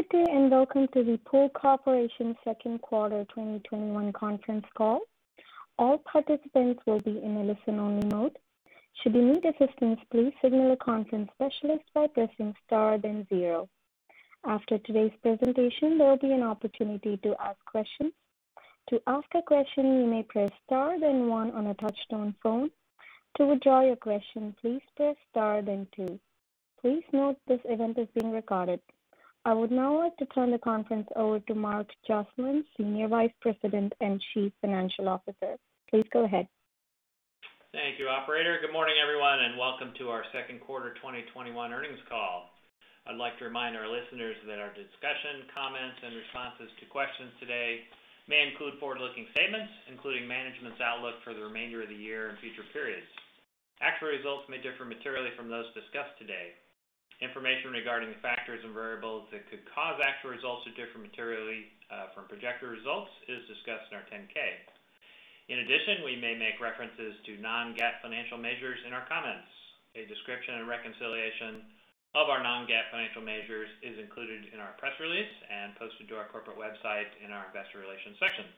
Good day, and welcome to the Pool Corporation 2nd quarter 2021 conference call. All participants will be in a listen-only mode. Should you need assistance please signal please signal a conference specialist by pressing star then zero. After today's presentation there will be an opportunity to ask a question. To ask a question you may press star then one on your touchtone phone. To withdraw your question please press star then two. Please note, this event is being recorded. I would now like to turn the conference over to Mark Joslin, Senior Vice President and Chief Financial Officer. Please go ahead. Thank you, operator. Good morning, everyone, and welcome to our second quarter 2021 earnings call. I'd like to remind our listeners that our discussion, comments, and responses to questions today may include forward-looking statements, including management's outlook for the remainder of the year and future periods. Actual results may differ materially from those discussed today. Information regarding the factors and variables that could cause actual results to differ materially from projected results is discussed in our 10-K. In addition, we may make references to non-GAAP financial measures in our comments. A description and reconciliation of our non-GAAP financial measures is included in our press release and posted to our corporate website in our investor relations section.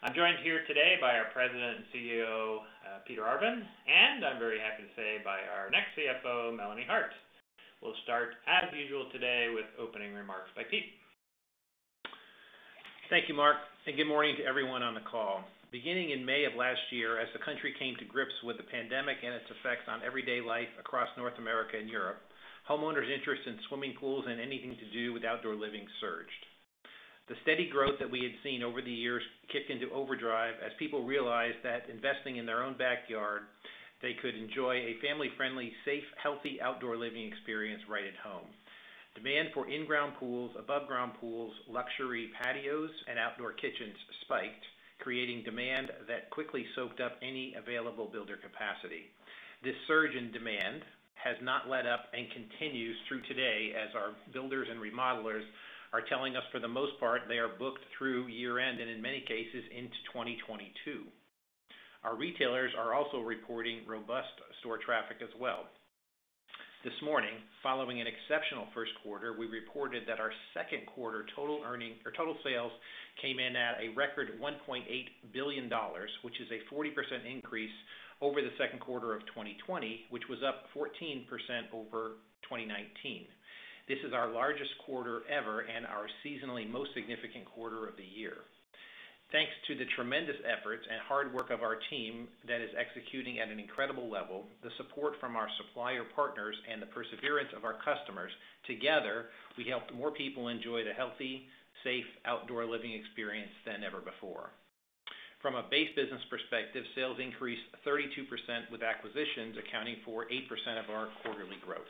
I'm joined here today by our President and CEO, Peter Arvan, and I'm very happy to say, by our next CFO, Melanie Hart. We'll start as usual today with opening remarks by Pete. Thank you, Mark. Good morning to everyone on the call. Beginning in May of last year, as the country came to grips with the pandemic and its effects on everyday life across North America and Europe, homeowners' interest in swimming pools and anything to do with outdoor living surged. The steady growth that we had seen over the years kicked into overdrive as people realized that investing in their own backyard, they could enjoy a family-friendly, safe, healthy outdoor living experience right at home. Demand for in-ground pools, above ground pools, luxury patios, and outdoor kitchens spiked, creating demand that quickly soaked up any available builder capacity. This surge in demand has not let up and continues through today, as our builders and remodelers are telling us for the most part, they are booked through year-end, and in many cases, into 2022. Our retailers are also reporting robust store traffic as well. This morning, following an exceptional first quarter, we reported that our second quarter total sales came in at a record $1.8 billion, which is a 40% increase over the second quarter of 2020, which was up 14% over 2019. This is our largest quarter ever and our seasonally most significant quarter of the year. Thanks to the tremendous efforts and hard work of our team that is executing at an incredible level, the support from our supplier partners, and the perseverance of our customers. Together, we helped more people enjoy the healthy, safe outdoor living experience than ever before. From a base business perspective, sales increased 32% with acquisitions accounting for 8% of our quarterly growth.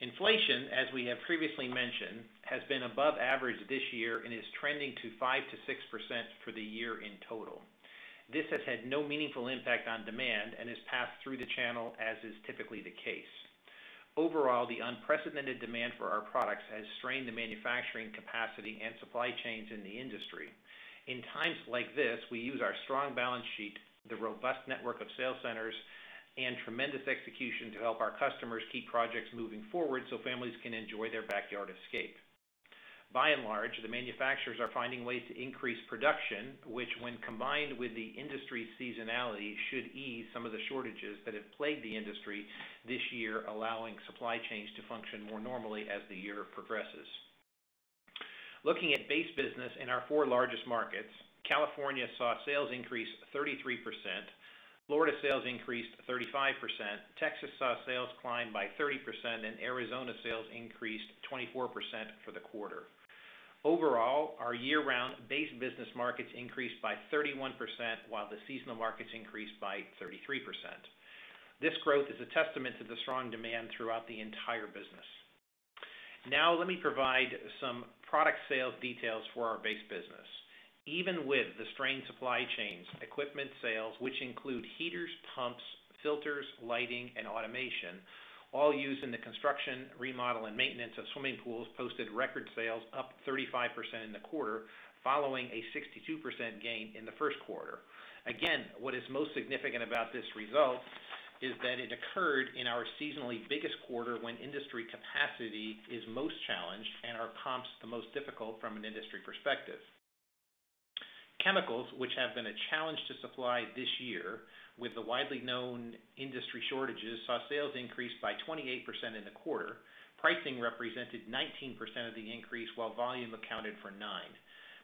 Inflation, as we have previously mentioned, has been above average this year and is trending to 5%-6% for the year in total. This has had no meaningful impact on demand and has passed through the channel as is typically the case. Overall, the unprecedented demand for our products has strained the manufacturing capacity and supply chains in the industry. In times like this, we use our strong balance sheet, the robust network of sales centers, and tremendous execution to help our customers keep projects moving forward so families can enjoy their backyard escape. By and large, the manufacturers are finding ways to increase production, which when combined with the industry seasonality, should ease some of the shortages that have plagued the industry this year, allowing supply chains to function more normally as the year progresses. Looking at base business in our four largest markets, California saw sales increase 33%, Florida sales increased 35%, Texas saw sales climb by 30%, and Arizona sales increased 24% for the quarter. Overall, our year-round base business markets increased by 31%, while the seasonal markets increased by 33%. This growth is a testament to the strong demand throughout the entire business. Now let me provide some product sales details for our base business. Even with the strained supply chains, equipment sales, which include heaters, pumps, filters, lighting, and automation, all used in the construction, remodel, and maintenance of swimming pools, posted record sales up 35% in the quarter, following a 62% gain in the first quarter. Again, what is most significant about this result is that it occurred in our seasonally biggest quarter when industry capacity is most challenged and our comps the most difficult from an industry perspective. Chemicals, which have been a challenge to supply this year with the widely known industry shortages, saw sales increase by 28% in the quarter. Pricing represented 19% of the increase, while volume accounted for nine.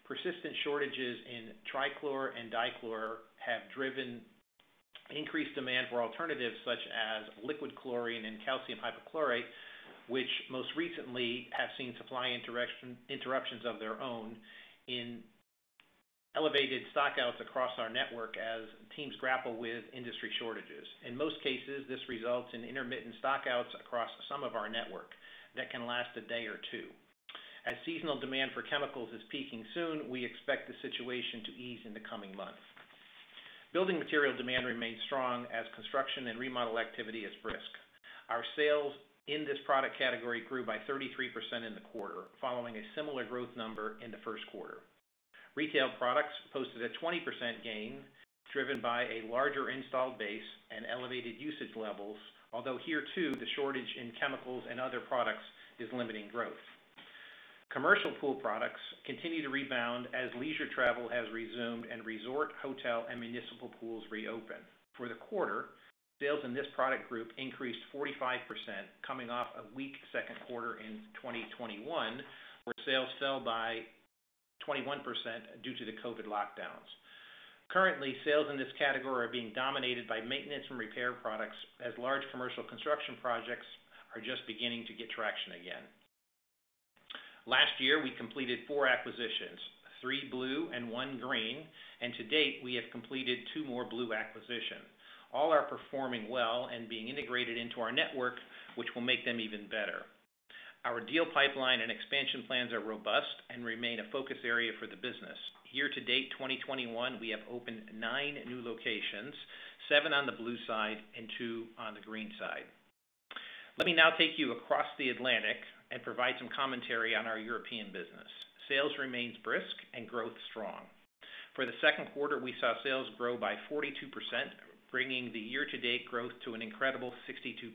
Persistent shortages in trichlor and dichlor have driven increased demand for alternatives such as liquid chlorine and calcium hypochlorite, which most recently have seen supply interruptions of their own in elevated stockouts across our network as teams grapple with industry shortages. In most cases, this results in intermittent stockouts across some of our network that can last a day or two. As seasonal demand for chemicals is peaking soon, we expect the situation to ease in the coming months. Building material demand remains strong as construction and remodel activity is brisk. Our sales in this product category grew by 33% in the quarter, following a similar growth number in the first quarter. Retail products posted a 20% gain, driven by a larger installed base and elevated usage levels, although here too, the shortage in chemicals and other products is limiting growth. Commercial pool products continue to rebound as leisure travel has resumed and resort, hotel, and municipal pools reopen. For the quarter, sales in this product group increased 45%, coming off a weak second quarter in 2021, where sales fell by 21% due to the COVID lockdowns. Currently, sales in this category are being dominated by maintenance and repair products, as large commercial construction projects are just beginning to get traction again. Last year, we completed four acquisitions, three blue and one green, and to date, we have completed two more blue acquisitions. All are performing well and being integrated into our network, which will make them even better. Our deal pipeline and expansion plans are robust and remain a focus area for the business. Year-to-date 2021, we have opened nine new locations, seven on the blue side and two on the green side. Let me now take you across the Atlantic and provide some commentary on our European business. Sales remains brisk and growth strong. For the second quarter, we saw sales grow by 42%, bringing the year-to-date growth to an incredible 62%.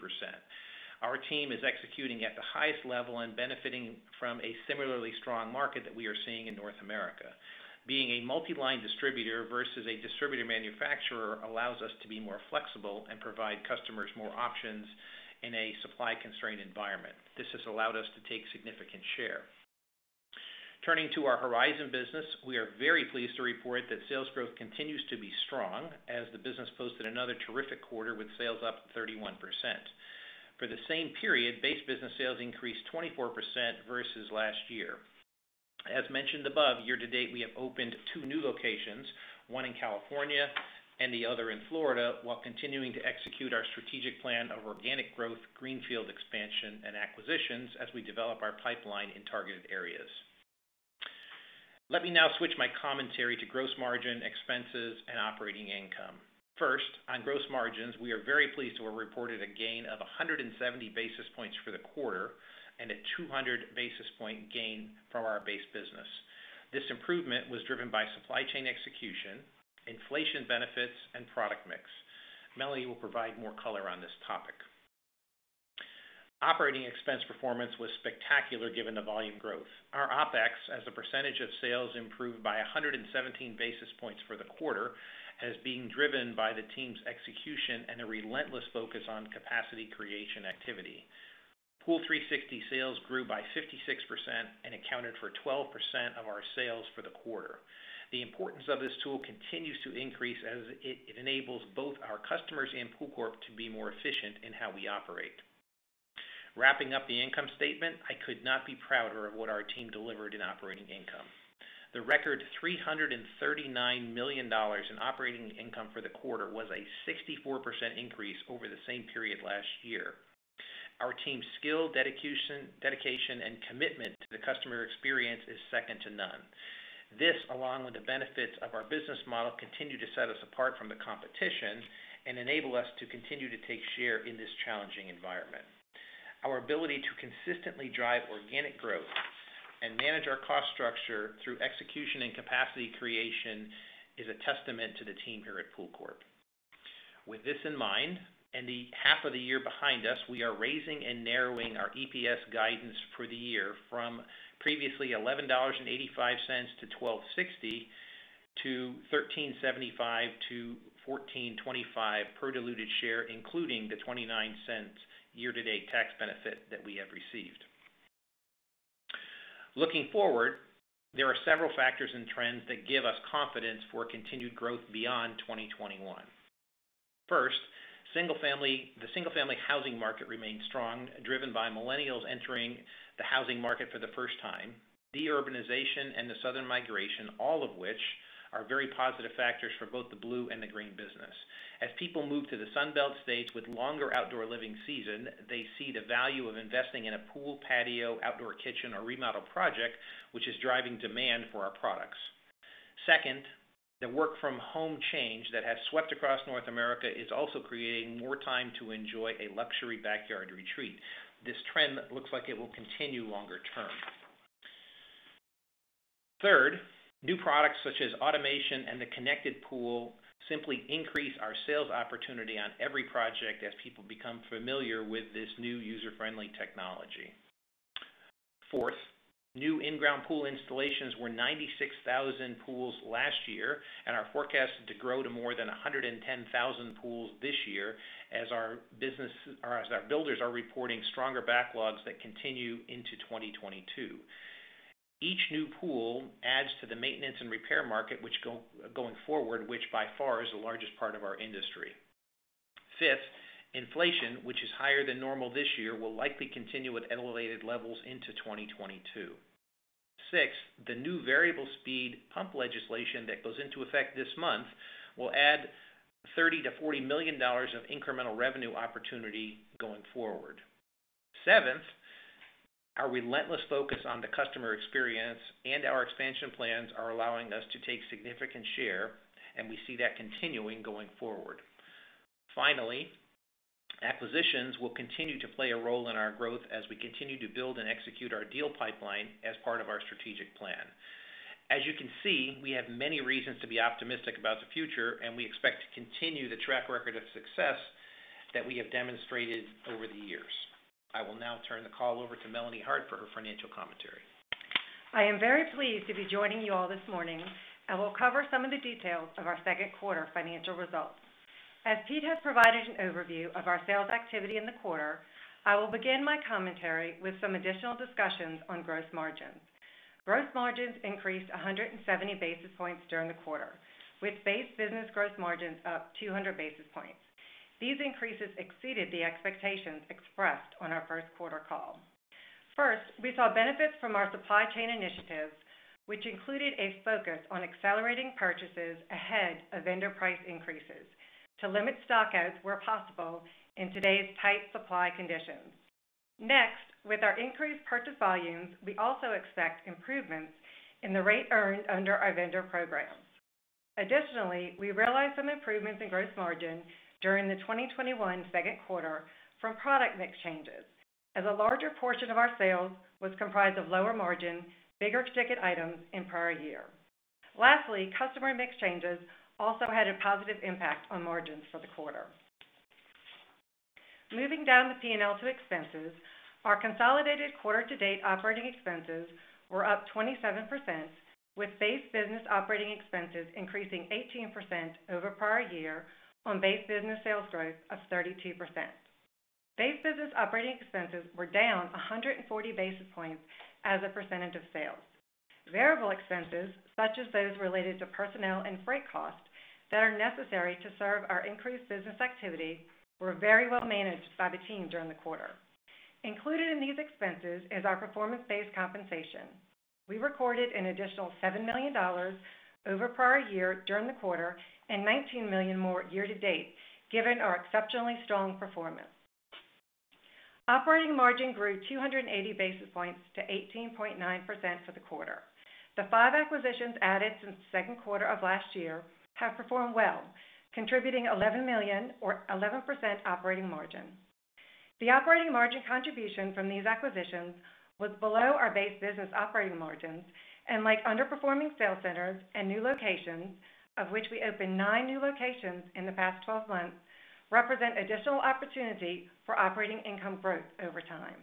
Our team is executing at the highest level and benefiting from a similarly strong market that we are seeing in North America. Being a multi-line distributor versus a distributor manufacturer allows us to be more flexible and provide customers more options in a supply-constrained environment. This has allowed us to take significant share. Turning to our Horizon business, we are very pleased to report that sales growth continues to be strong as the business posted another terrific quarter with sales up 31%. For the same period, base business sales increased 24% versus last year. As mentioned above, year-to-date, we have opened two new locations, one in California and the other in Florida, while continuing to execute our strategic plan of organic growth, greenfield expansion, and acquisitions as we develop our pipeline in targeted areas. Let me now switch my commentary to gross margin expenses and operating income. First, on gross margins, we are very pleased to have reported a gain of 170 basis points for the quarter, and a 200 basis point gain from our base business. This improvement was driven by supply chain execution, inflation benefits, and product mix. Melanie will provide more color on this topic. Operating expense performance was spectacular given the volume growth. Our OpEx as a percentage of sales improved by 117 basis points for the quarter, as being driven by the team's execution and a relentless focus on capacity creation activity. POOL360 sales grew by 56% and accounted for 12% of our sales for the quarter. The importance of this tool continues to increase as it enables both our customers and PoolCorp to be more efficient in how we operate. Wrapping up the income statement, I could not be prouder of what our team delivered in operating income. The record $339 million in operating income for the quarter was a 64% increase over the same period last year. Our team's skill, dedication, and commitment to the customer experience is second to none. This, along with the benefits of our business model, continue to set us apart from the competition and enable us to continue to take share in this challenging environment. Our ability to consistently drive organic growth and manage our cost structure through execution and capacity creation is a testament to the team here at PoolCorp. With this in mind, and the half of the year behind us, we are raising and narrowing our EPS guidance for the year from previously $11.85-$12.60, to $13.75-$14.25 per diluted share, including the $0.29 year-to-date tax benefit that we have received. Looking forward, there are several factors and trends that give us confidence for continued growth beyond 2021. First, the single-family housing market remains strong, driven by millennials entering the housing market for the first time. De-urbanization and the southern migration, all of which are very positive factors for both the blue and the green business. As people move to the Sun Belt states with longer outdoor living season, they see the value of investing in a pool, patio, outdoor kitchen, or remodel project, which is driving demand for our products. Second, the work from home change that has swept across North America is also creating more time to enjoy a luxury backyard retreat. This trend looks like it will continue longer term. Third, new products such as automation and the connected pool simply increase our sales opportunity on every project as people become familiar with this new user-friendly technology. Fourth, new in-ground pool installations were 96,000 pools last year, and are forecasted to grow to more than 110,000 pools this year as our builders are reporting stronger backlogs that continue into 2022. Each new pool adds to the maintenance and repair market going forward, which by far is the largest part of our industry. Fifth, inflation, which is higher than normal this year, will likely continue at elevated levels into 2022. Sixth, the new variable speed pump legislation that goes into effect this month will add $30 million-$40 million of incremental revenue opportunity going forward. Seventh, our relentless focus on the customer experience and our expansion plans are allowing us to take significant share, and we see that continuing going forward. Finally, acquisitions will continue to play a role in our growth as we continue to build and execute our deal pipeline as part of our strategic plan. As you can see, we have many reasons to be optimistic about the future, and we expect to continue the track record of success that we have demonstrated over the years. I will now turn the call over to Melanie Hart for her financial commentary. I am very pleased to be joining you all this morning, and will cover some of the details of our second quarter financial results. As Pete has provided an overview of our sales activity in the quarter, I will begin my commentary with some additional discussions on gross margins. Gross margins increased 170 basis points during the quarter, with base business gross margins up 200 basis points. These increases exceeded the expectations expressed on our first quarter call. First, we saw benefits from our supply chain initiatives, which included a focus on accelerating purchases ahead of vendor price increases to limit stockouts where possible in today's tight supply conditions. Next, with our increased purchase volumes, we also expect improvements in the rate earned under our vendor programs. Additionally, we realized some improvements in gross margin during the 2021 second quarter from product mix changes, as a larger portion of our sales was comprised of lower margin, bigger ticket items in prior year. Lastly, customer mix changes also had a positive impact on margins for the quarter. Moving down the P&L to expenses, our consolidated quarter-to-date operating expenses were up 27%, with base business operating expenses increasing 18% over prior year on base business sales growth of 32%. Base business operating expenses were down 140 basis points as a percentage of sales. Variable expenses, such as those related to personnel and freight costs that are necessary to serve our increased business activity, were very well managed by the team during the quarter. Included in these expenses is our performance-based compensation. We recorded an additional $7 million over prior year during the quarter and $19 million more year to date, given our exceptionally strong performance. Operating margin grew 280 basis points to 18.9% for the quarter. The five acquisitions added since the second quarter of last year have performed well, contributing $11 million or 11% operating margin. The operating margin contribution from these acquisitions was below our base business operating margins and like underperforming sales centers and new locations, of which we opened nine new locations in the past 12 months, represent additional opportunity for operating income growth over time.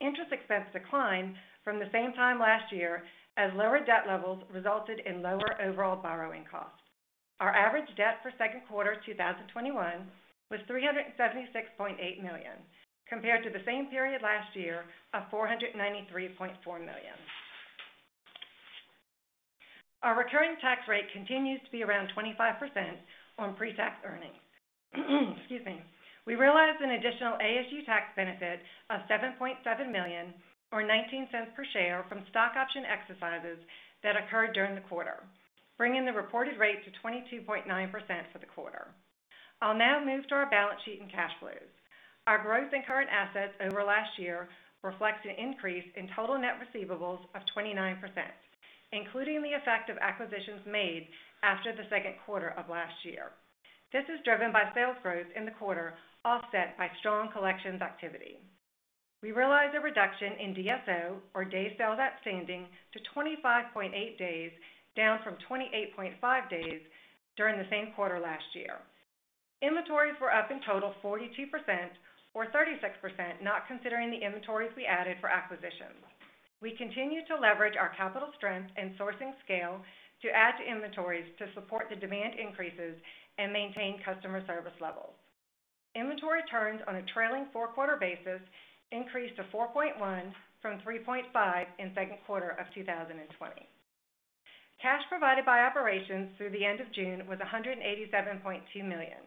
Interest expense declined from the same time last year, as lower debt levels resulted in lower overall borrowing costs. Our average debt for second quarter 2021 was $376.8 million, compared to the same period last year of $493.4 million. Our recurring tax rate continues to be around 25% on pre-tax earnings. Excuse me. We realized an additional ASU tax benefit of $7.7 million or $0.19 per share from stock option exercises that occurred during the quarter, bringing the reported rate to 22.9% for the quarter. I'll now move to our balance sheet and cash flows. Our growth in current assets over last year reflects an increase in total net receivables of 29%, including the effect of acquisitions made after the second quarter of last year. This is driven by sales growth in the quarter, offset by strong collections activity. We realized a reduction in DSO or days sales outstanding to 25.8 days, down from 28.5 days during the same quarter last year. Inventories were up in total 42% or 36% not considering the inventories we added for acquisitions. We continue to leverage our capital strength and sourcing scale to add to inventories to support the demand increases and maintain customer service levels. Inventory turns on a trailing four-quarter basis increased to 4.1 from 3.5 in second quarter of 2020. Cash provided by operations through the end of June was $187.2 million.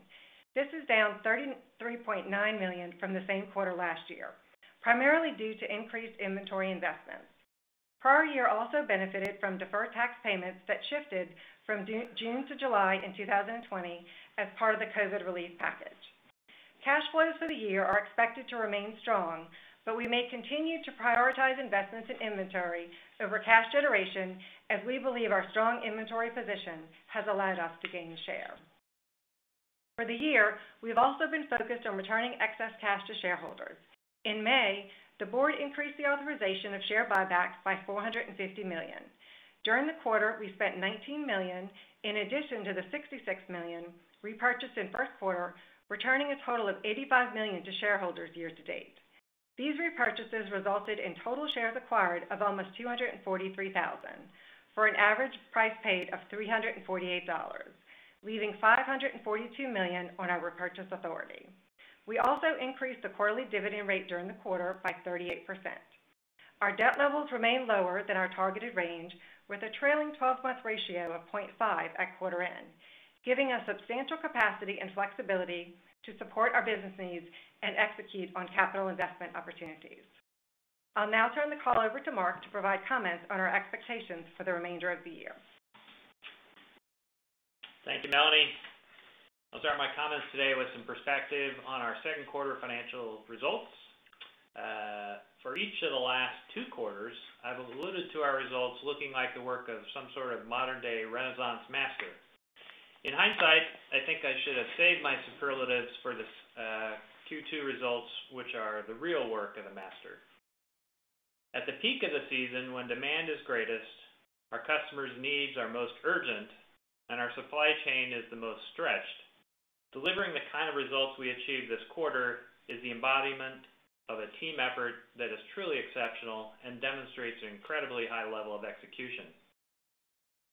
This is down $33.9 million from the same quarter last year, primarily due to increased inventory investments. Prior year also benefited from deferred tax payments that shifted from June-July in 2020 as part of the COVID relief package. Cash flows for the year are expected to remain strong but we may continue to prioritize investments in inventory over cash generation as we believe our strong inventory position has allowed us to gain share. For the year, we've also been focused on returning excess cash to shareholders. In May, the board increased the authorization of share buybacks by $450 million. During the quarter, we spent $19 million in addition to the $66 million repurchased in first quarter, returning a total of $85 million to shareholders year to date. These repurchases resulted in total shares acquired of almost 243,000 for an average price paid of $348, leaving $542 million on our repurchase authority. We also increased the quarterly dividend rate during the quarter by 38%. Our debt levels remain lower than our targeted range with a trailing 12-month ratio of 0.5 at quarter end, giving us substantial capacity and flexibility to support our business needs and execute on capital investment opportunities. I'll now turn the call over to Mark to provide comments on our expectations for the remainder of the year. Thank you, Melanie. I'll start my comments today with some perspective on our second quarter financial results. For each of the last two quarters, I've alluded to our results looking like the work of some sort of modern-day Renaissance master. In hindsight, I think I should have saved my superlatives for the Q2 results which are the real work of a master. At the peak of the season, when demand is greatest, our customers' needs are most urgent, and our supply chain is the most stretched. Delivering the kind of results we achieved this quarter is the embodiment of a team effort that is truly exceptional and demonstrates an incredibly high level of execution.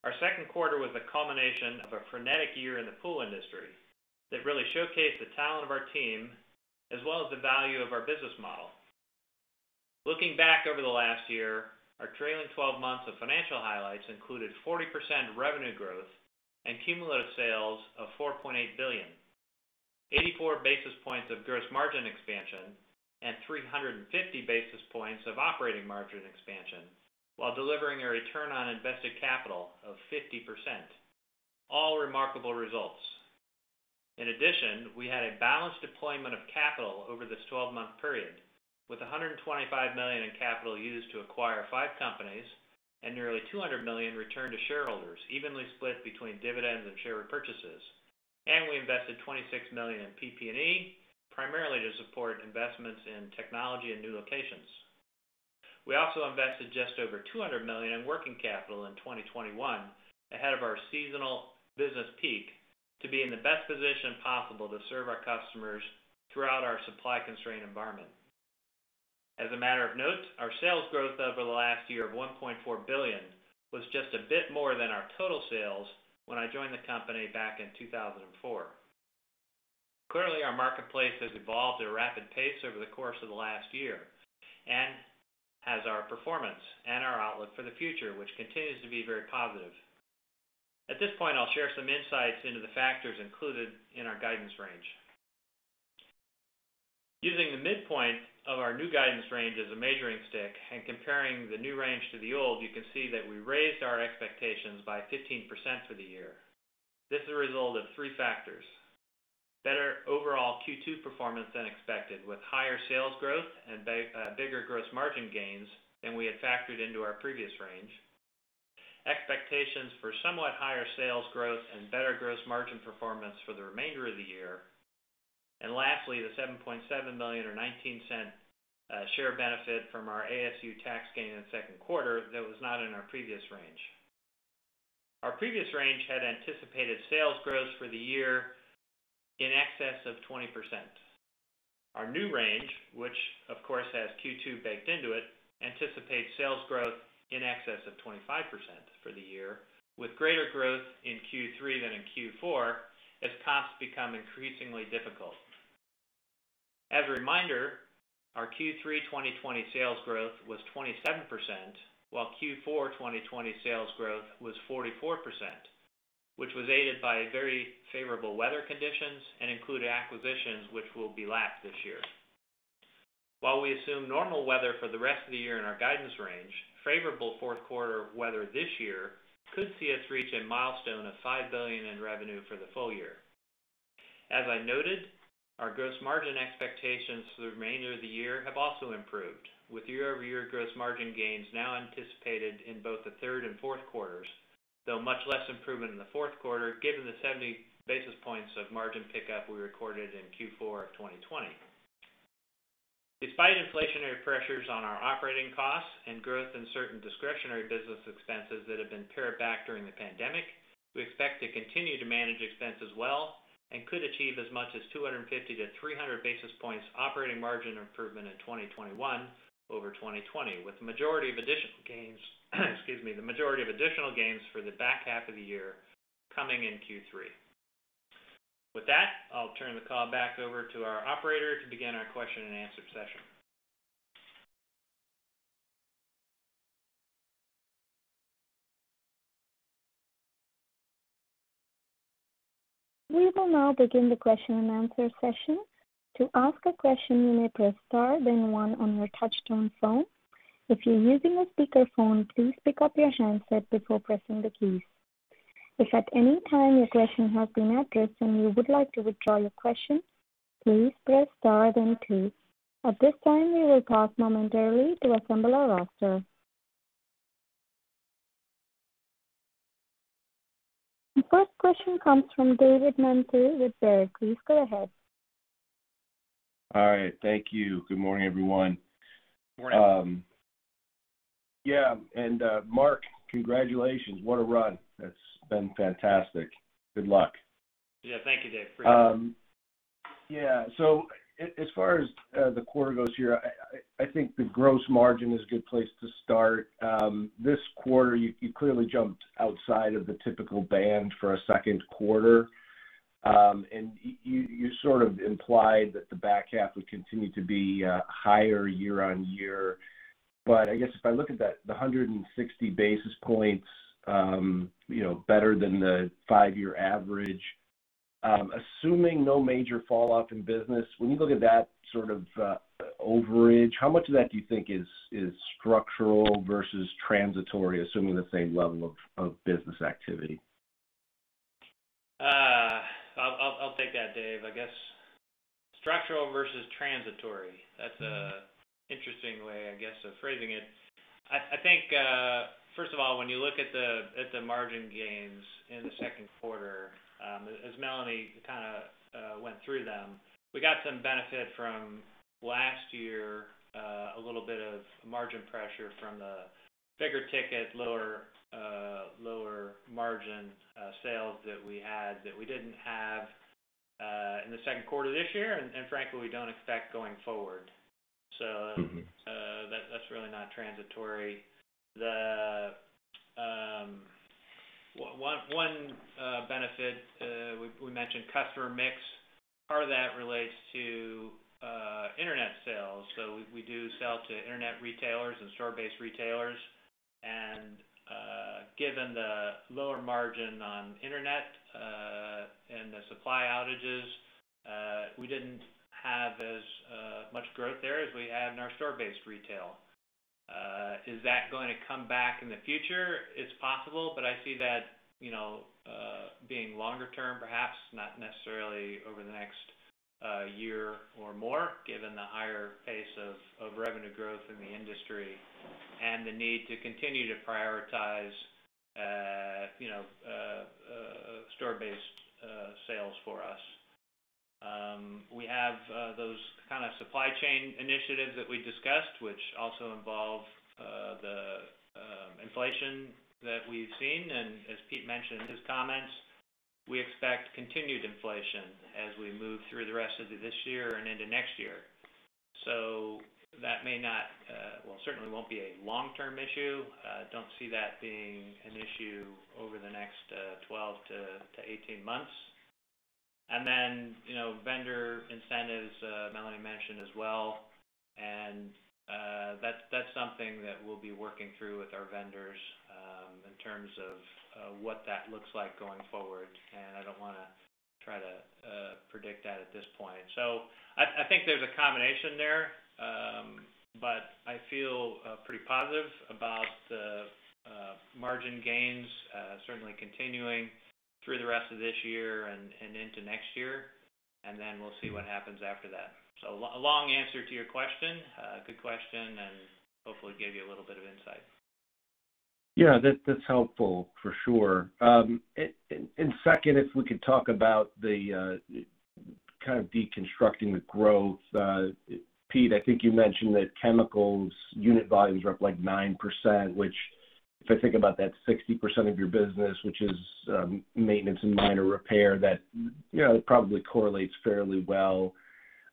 Our second quarter was the culmination of a frenetic year in the pool industry that really showcased the talent of our team, as well as the value of our business model. Looking back over the last year, our trailing 12 months of financial highlights included 40% revenue growth and cumulative sales of $4.8 billion, 84 basis points of gross margin expansion, and 350 basis points of operating margin expansion while delivering a return on invested capital of 50%. All remarkable results. In addition, we had a balanced deployment of capital over this 12-month period, with $125 million in capital used to acquire five companies, and nearly $200 million returned to shareholders, evenly split between dividends and share repurchases. We invested $26 million in PP&E, primarily to support investments in technology and new locations. We also invested just over $200 million in working capital in 2021, ahead of our seasonal business peak, to be in the best position possible to serve our customers throughout our supply-constrained environment. As a matter of note, our sales growth over the last year of $1.4 billion was just a bit more than our total sales when I joined the company back in 2004. Clearly, our marketplace has evolved at a rapid pace over the course of the last year, and has our performance and our outlook for the future, which continues to be very positive. At this point, I'll share some insights into the factors included in our guidance range. Using the midpoint of our new guidance range as a measuring stick and comparing the new range to the old, you can see that we raised our expectations by 15% for the year. This is a result of three factors. Better overall Q2 performance than expected, with higher sales growth and bigger gross margin gains than we had factored into our previous range. Expectations for somewhat higher sales growth and better gross margin performance for the remainder of the year. Lastly, the $7.7 million or $0.19 share benefit from our ASU tax gain in the second quarter that was not in our previous range. Our previous range had anticipated sales growth for the year in excess of 20%. Our new range, which of course has Q2 baked into it, anticipates sales growth in excess of 25% for the year, with greater growth in Q3 than in Q4, as comps become increasingly difficult. As a reminder, our Q3 2020 sales growth was 27%, while Q4 2020 sales growth was 44%, which was aided by very favorable weather conditions and included acquisitions which will be lapped this year. While we assume normal weather for the rest of the year in our guidance range, favorable fourth quarter weather this year could see us reach a milestone of $5 billion in revenue for the full year. As I noted, our gross margin expectations for the remainder of the year have also improved, with year-over-year gross margin gains now anticipated in both the third and fourth quarters, though much less improvement in the fourth quarter, given the 70 basis points of margin pickup we recorded in Q4 of 2020. Despite inflationary pressures on our operating costs and growth in certain discretionary business expenses that have been pared back during the pandemic, we expect to continue to manage expenses well and could achieve as much as 250 to 300 basis points operating margin improvement in 2021 over 2020, with the majority of additional gains for the back half of the year coming in Q3. With that, I'll turn the call back over to our operator to begin our question and answer session. The first question comes from David Manthey with Baird. Please go ahead. All right. Thank you. Good morning, everyone. Morning. Yeah. Mark, congratulations. What a run. That's been fantastic. Good luck. Yeah. Thank you, Dave. Appreciate it. Yeah. As far as the quarter goes here, I think the gross margin is a good place to start. This quarter, you clearly jumped outside of the typical band for a second quarter. You sort of implied that the back half would continue to be higher year-on-year. I guess if I look at the 160 basis points better than the five-year average, assuming no major falloff in business, when you look at that sort of overage, how much of that do you think is structural versus transitory, assuming the same level of business activity? I'll take that Dave. I guess structural versus transitory. That's an interesting way of phrasing it. I think, first of all, when you look at the margin gains in the second quarter, as Melanie went through them, we got some benefit from last year, a little bit of margin pressure from the bigger ticket, lower margin sales that we had that we didn't have in the second quarter of this year. Frankly, we don't expect going forward. That's really not transitory. One benefit, we mentioned customer mix, part of that relates to internet sales. We do sell to internet retailers and store-based retailers, and given the lower margin on internet, and the supply outages, we didn't have as much growth there as we had in our store-based retail. Is that going to come back in the future? It's possible but I see that being longer term, perhaps not necessarily over the next year or more, given the higher pace of revenue growth in the industry and the need to continue to prioritize store-based sales for us. We have those kind of supply chain initiatives that we discussed, which also involve the inflation that we've seen. As Pete mentioned in his comments, we expect continued inflation as we move through the rest of this year and into next year. That may not, well certainly won't be a long-term issue. Don't see that being an issue over the next 12-18 months. Then vendor incentives, Melanie mentioned as well. That's something that we'll be working through with our vendors, in terms of what that looks like going forward. I don't want to try to predict that at this point. I think there's a combination there. I feel pretty positive about the margin gains, certainly continuing through the rest of this year and into next year, then we'll see what happens after that. A long answer to your question. Good question, hopefully give you a little bit of insight. Yeah, that's helpful for sure. Second, if we could talk about the deconstructing the growth. Pete, I think you mentioned that chemicals unit volumes are up like 9%, which if I think about that 60% of your business which is maintenance and minor repair, that probably correlates fairly well.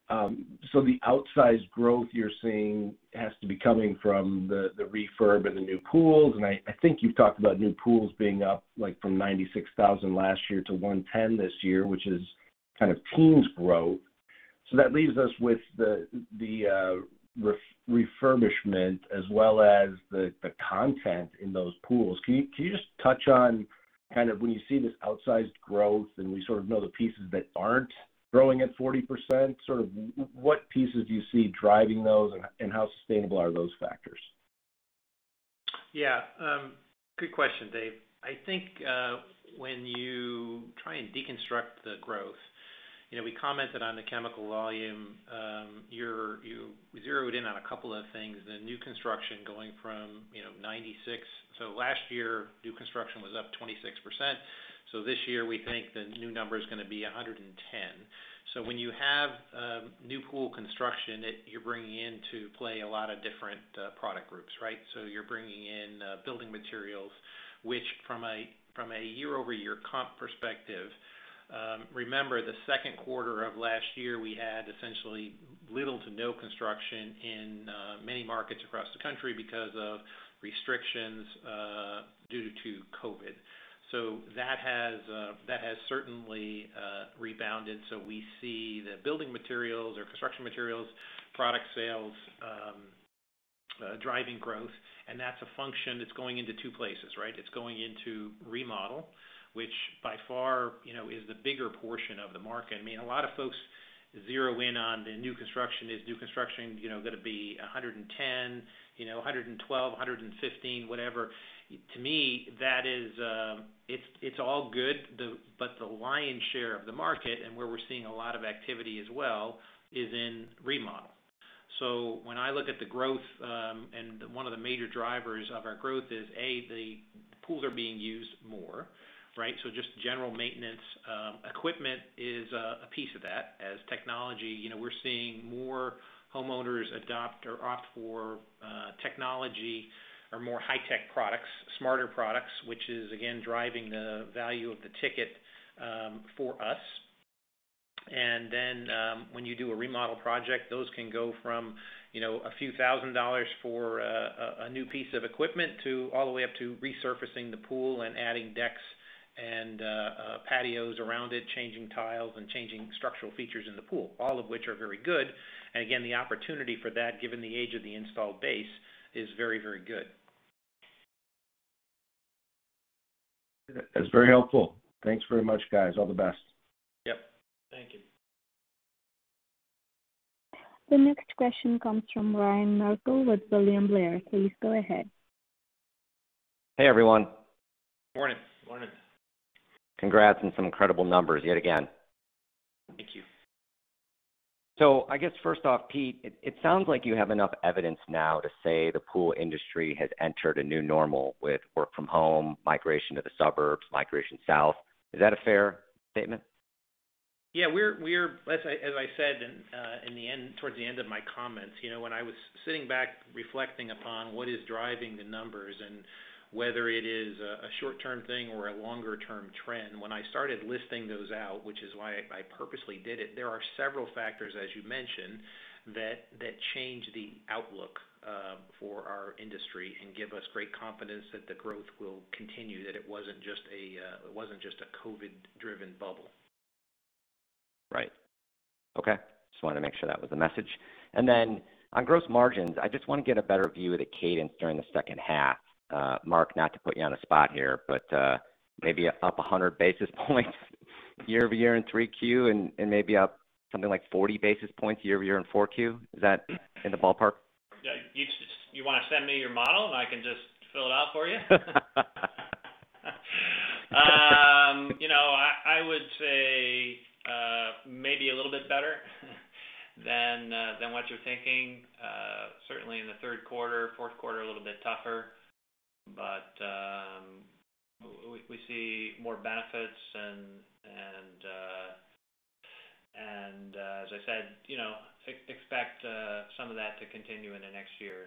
The outsized growth you're seeing has to be coming from the refurb and the new pools, and I think you've talked about new pools being up from 96,000 last year to 110 this year, which is kind of teens growth. That leaves us with the refurbishment as well as the content in those pools. Can you just touch on kind of when you see this outsized growth, and we sort of know the pieces that aren't growing at 40%, sort of what pieces do you see driving those and how sustainable are those factors? Yeah. Good question, Dave. I think when you try and deconstruct the growth, we commented on the chemical volume. You zeroed in on a couple of things. The new construction going from 96. Last year, new construction was up 26%. This year, we think the new number is going to be 110. When you have new pool construction, you're bringing into play a lot of different product groups, right? You're bringing in building materials which from a year-over-year comp perspective, remember the second quarter of last year, we had essentially little to no construction in many markets across the country because of restrictions due to COVID. That has certainly rebounded. We see the building materials or construction materials, product sales, driving growth, and that's a function that's going into two places, right? It's going into remodel which by far is the bigger portion of the market. I mean, a lot of folks zero in on the new construction. Is new construction going to be 110, 112, 115, whatever? To me, it's all good but the lion's share of the market, and where we're seeing a lot of activity as well, is in remodel. When I look at the growth, and one of the major drivers of our growth is, A, the pools are being used more, right? Just general maintenance. Equipment is a piece of that. As technology, we're seeing more homeowners adopt or opt for technology or more high-tech products, smarter products, which is again, driving the value of the ticket for us. When you do a remodel project, those can go from a few thousand dollars for a new piece of equipment, all the way up to resurfacing the pool and adding decks and patios around it, changing tiles, and changing structural features in the pool. All of which are very good. Again, the opportunity for that, given the age of the installed base, is very good. That's very helpful. Thanks very much, guys. All the best. Yep. Thank you. The next question comes from Ryan Merkel with William Blair. Please go ahead. Hey, everyone. Morning. Congrats on some incredible numbers yet again. Thank you. I guess first off, Pete, it sounds like you have enough evidence now to say the pool industry has entered a new normal with work from home, migration to the suburbs, migration south. Is that a fair statement? Yeah. As I said towards the end of my comments, when I was sitting back reflecting upon what is driving the numbers and whether it is a short-term thing or a longer-term trend, when I started listing those out, which is why I purposely did it, there are several factors, as you mentioned, that change the outlook for our industry and give us great confidence that the growth will continue, that it wasn't just a COVID-driven bubble. Right. Okay. Just wanted to make sure that was the message. On gross margins, I just want to get a better view of the cadence during the second half. Mark, not to put you on the spot here, but maybe up 100 basis points year-over-year in 3Q and maybe up something like 40 basis points year-over-year in 4Q. Is that in the ballpark? You want to send me your model, and I can just fill it out for you? I would say maybe a little bit better than what you're thinking. Certainly, in the third quarter. Fourth quarter, a little bit tougher. We see more benefits, and as I said, expect some of that to continue into next year.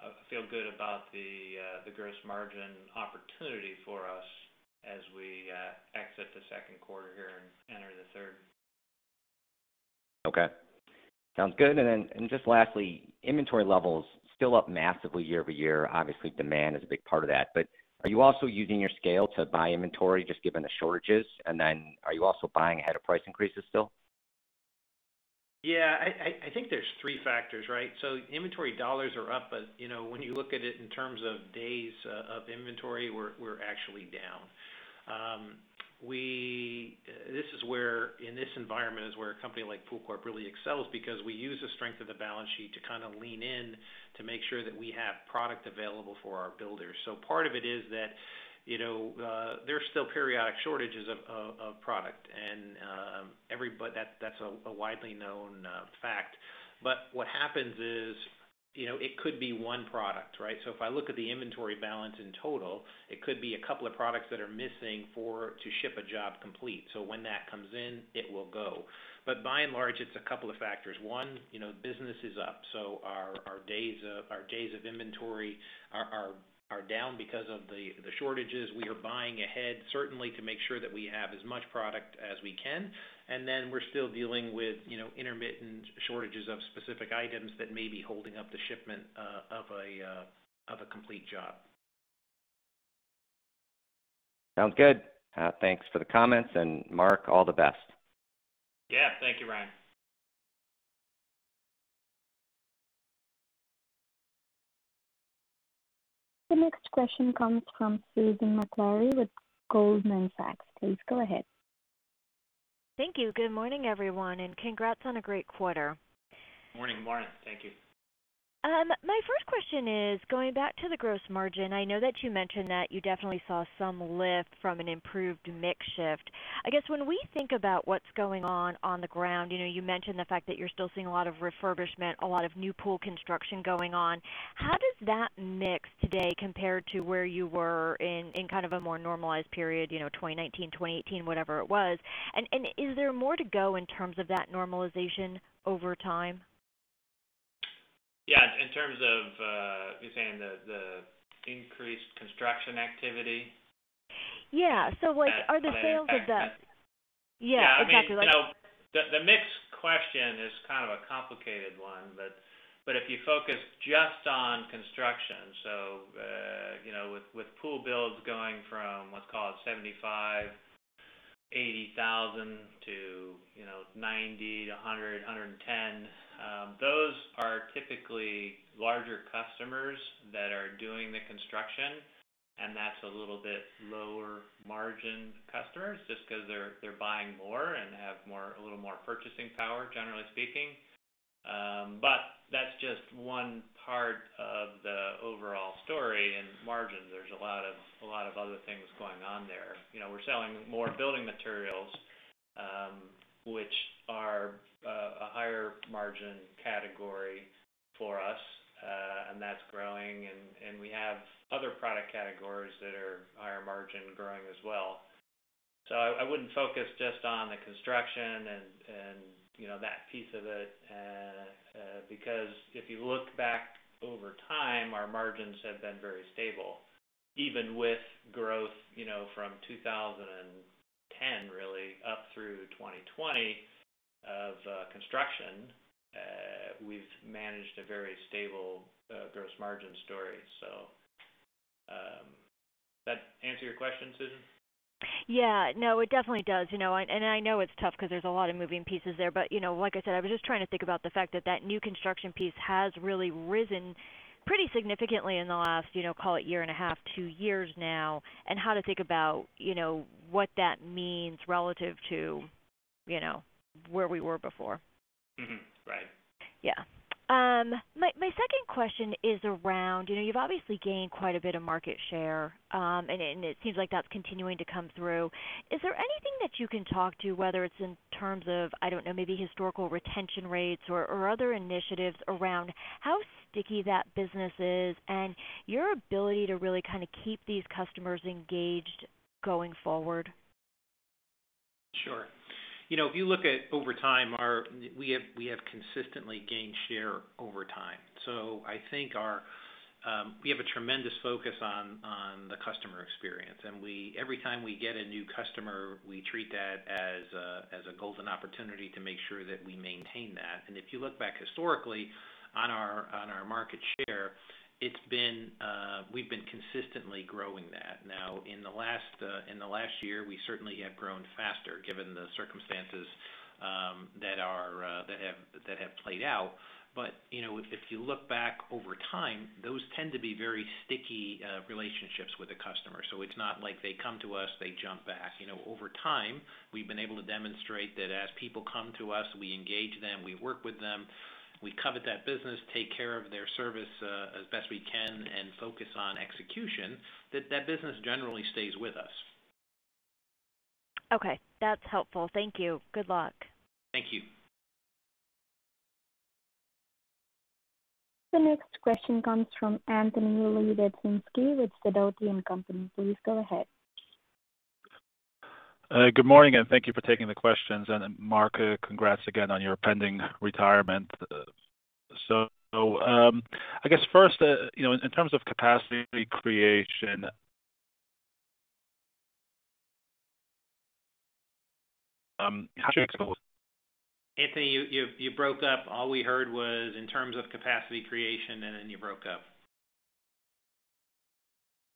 I feel good about the gross margin opportunity for us as we exit the second quarter here and enter the third. Okay. Sounds good. Just lastly, inventory levels still up massively year-over-year. Obviously, demand is a big part of that, are you also using your scale to buy inventory just given the shortages? Are you also buying ahead of price increases still? I think there's three factors, right? Inventory dollars are up, but when you look at it in terms of days of inventory, we're actually down. In this environment is where a company like PoolCorp really excels because we use the strength of the balance sheet to kind of lean in to make sure that we have product available for our builders. Part of it is that there's still periodic shortages of product, and that's a widely known fact. What happens is, it could be one product, right? If I look at the inventory balance in total, it could be a couple of products that are missing to ship a job complete. When that comes in, it will go. By and large, it's a couple of factors. one, business is up, so our days of inventory are down because of the shortages. We are buying ahead, certainly to make sure that we have as much product as we can, and then we're still dealing with intermittent shortages of specific items that may be holding up the shipment of a complete job. Sounds good. Thanks for the comments. Mark, all the best. Yeah. Thank you, Ryan. The next question comes from Susan Maklari with Goldman Sachs. Please go ahead. Thank you. Good morning, everyone. Congrats on a great quarter. Morning. Thank you. My first question is going back to the gross margin. I know that you mentioned that you definitely saw some lift from an improved mix shift. I guess when we think about what's going on the ground, you mentioned the fact that you're still seeing a lot of refurbishment, a lot of new pool construction going on. How does that mix today compare to where you were in kind of a more normalized period, 2019, 2018, whatever it was? Is there more to go in terms of that normalization over time? Yeah. In terms of, you're saying the increased construction activity? Yeah. like, are the sales of the. I mean Yeah, exactly. The mix question is kind of a complicated one but if you focus just on construction, so with pool builds going from, let's call it 75,000, 80,000-90,000 to 100,000, 110,000, those are typically larger customers that are doing the construction, and that's a little bit lower margin customers just because they're buying more and have a little more purchasing power, generally speaking. That's just one part of the overall story in margins. There's a lot of other things going on there. We're selling more building materials which are a higher margin category for us. That's growing and we have other product categories that are higher margin growing as well. I wouldn't focus just on the construction and that piece of it, because if you look back over time, our margins have been very stable. Even with growth from 2010 really up through 2020 of construction, we've managed a very stable gross margin story. Does that answer your question, Susan? Yeah. No, it definitely does. I know it's tough because there's a lot of moving pieces there. Like I said, I was just trying to think about the fact that that new construction piece has really risen pretty significantly in the last call it one and a half, two years now, and how to think about what that means relative to you know where we were before. Mm-hmm. Right. Yeah. My second question is around, you've obviously gained quite a bit of market share. It seems like that's continuing to come through. Is there anything that you can talk to, whether it's in terms of, I don't know, maybe historical retention rates or other initiatives around how sticky that business is and your ability to really kind of keep these customers engaged going forward? Sure. If you look at over time, we have consistently gained share over time. I think we have a tremendous focus on the customer experience. Every time we get a new customer, we treat that as a golden opportunity to make sure that we maintain that. If you look back historically on our market share, we've been consistently growing that. Now, in the last year, we certainly have grown faster given the circumstances that have played out. If you look back over time, those tend to be very sticky relationships with the customer. It's not like they come to us, they jump back. Over time, we've been able to demonstrate that as people come to us, we engage them, we work with them, we covet that business, take care of their service as best we can, and focus on execution, that that business generally stays with us. Okay. That's helpful. Thank you. Good luck. Thank you. The next question comes from Anthony Lebiedzinski with Sidoti & Company. Please go ahead. Good morning. Thank you for taking the questions. Mark, congrats again on your pending retirement. I guess first, in terms of capacity creation [inaudible] Anthony, you broke up. All we heard was, In terms of capacity creation, and then you broke up.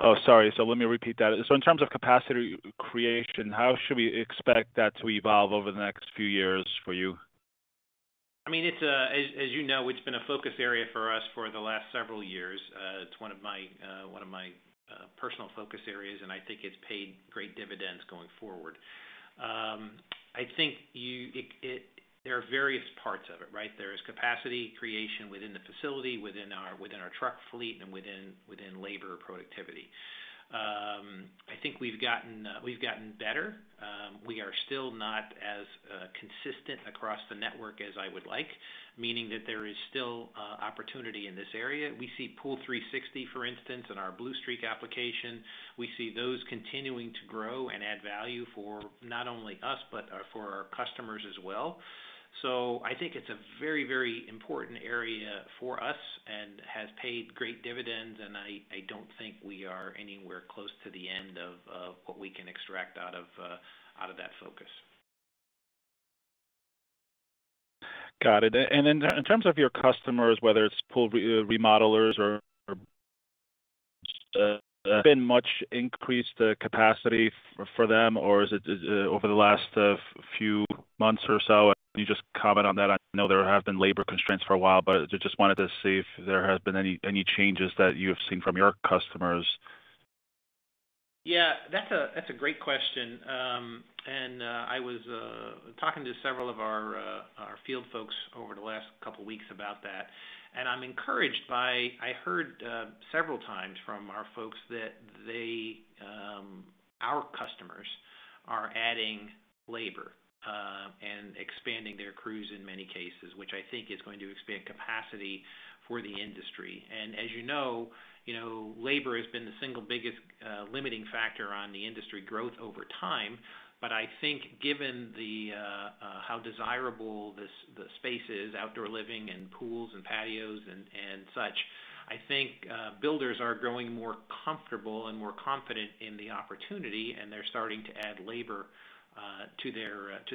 Oh, sorry. Let me repeat that. In terms of capacity creation, how should we expect that to evolve over the next few years for you? As you know, it's been a focus area for us for the last several years. It's one of my personal focus areas. I think it's paid great dividends going forward. I think there are various parts of it, right? There is capacity creation within the facility within our truck fleet, and within labor productivity. I think we've gotten better. We are still not as consistent across the network as I would like, meaning that there is still opportunity in this area. We see POOL360, for instance, and our Bluestreak application. We see those continuing to grow and add value for not only us but for our customers as well. I think it's a very important area for us and has paid great dividends. I don't think we are anywhere close to the end of what we can extract out of that focus. Got it. In terms of your customers, whether it's pool remodelers or been much increased capacity for them over the last few months or so? Can you just comment on that? I know there have been labor constraints for a while, but I just wanted to see if there have been any changes that you have seen from your customers. Yeah, that's a great question. I was talking to several of our field folks over the last couple of weeks about that, and I'm encouraged by what I heard several times from our folks, that our customers are adding labor, and expanding their crews in many cases, which I think is going to expand capacity for the industry. As you know, labor has been the single biggest limiting factor on the industry growth over time. I think given how desirable the space is, outdoor living and pools and patios and such, I think builders are growing more comfortable and more confident in the opportunity, and they're starting to add labor to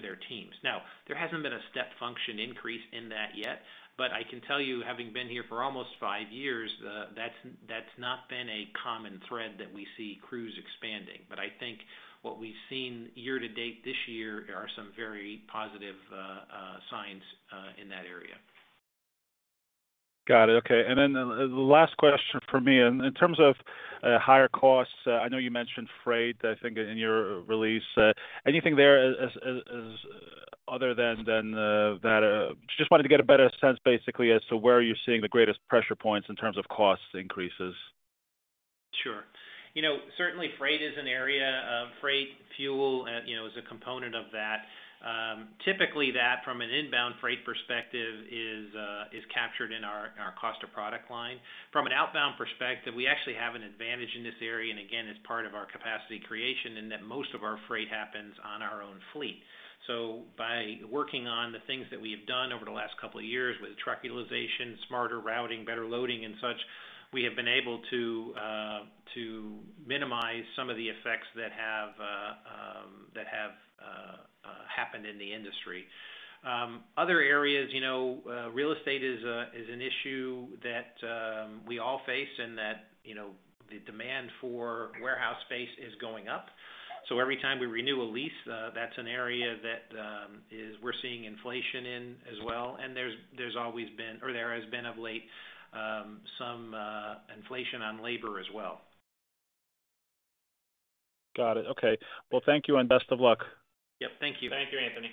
their teams. Now, there hasn't been a step function increase in that yet, but I can tell you, having been here for almost five years, that's not been a common thread that we see crews expanding. I think what we've seen year to date this year are some very positive signs in that area. Got it. Okay. The last question from me. In terms of higher costs, I know you mentioned freight, I think in your release. Anything there other than that? Just wanted to get a better sense, basically, as to where you're seeing the greatest pressure points in terms of cost increases. Sure. Certainly, freight is an area. Freight, fuel is a component of that. Typically, that from an inbound freight perspective is captured in our cost of product line. From an outbound perspective, we actually have an advantage in this area, and again, it's part of our capacity creation in that most of our freight happens on our own fleet. By working on the things that we have done over the last couple of years with truck utilization, smarter routing, better loading, and such, we have been able to minimize some of the effects that have happened in the industry. Other areas, real estate is an issue that we all face, and that the demand for warehouse space is going up. Every time we renew a lease, that's an area that we're seeing inflation in as well. There has been of late some inflation on labor as well. Got it. Okay. Well, thank you and best of luck. Yep, thank you. Thank you, Anthony.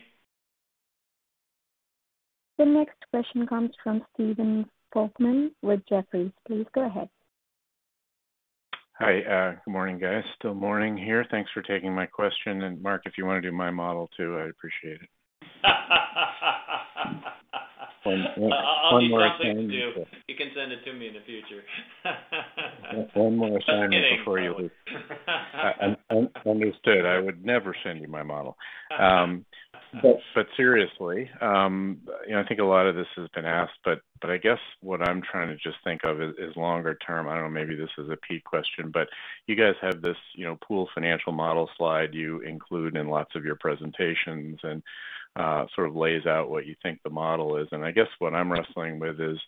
The next question comes from Stephen Volkmann with Jefferies. Please go ahead. Hi, good morning, guys. Still morning here. Thanks for taking my question. Mark, if you want to do my model too, I'd appreciate it. One more assignment. I'll do something too. You can send it to me in the future. One more assignment before you leave. Just kidding. Understood. I would never send you my model. Seriously, I think a lot of this has been asked, I guess what I'm trying to just think of is longer term, I don't know, maybe this is a Pete question, you guys have this pool financial model slide you include in lots of your presentations, sort of lays out what you think the model is. I guess what I'm wrestling with is,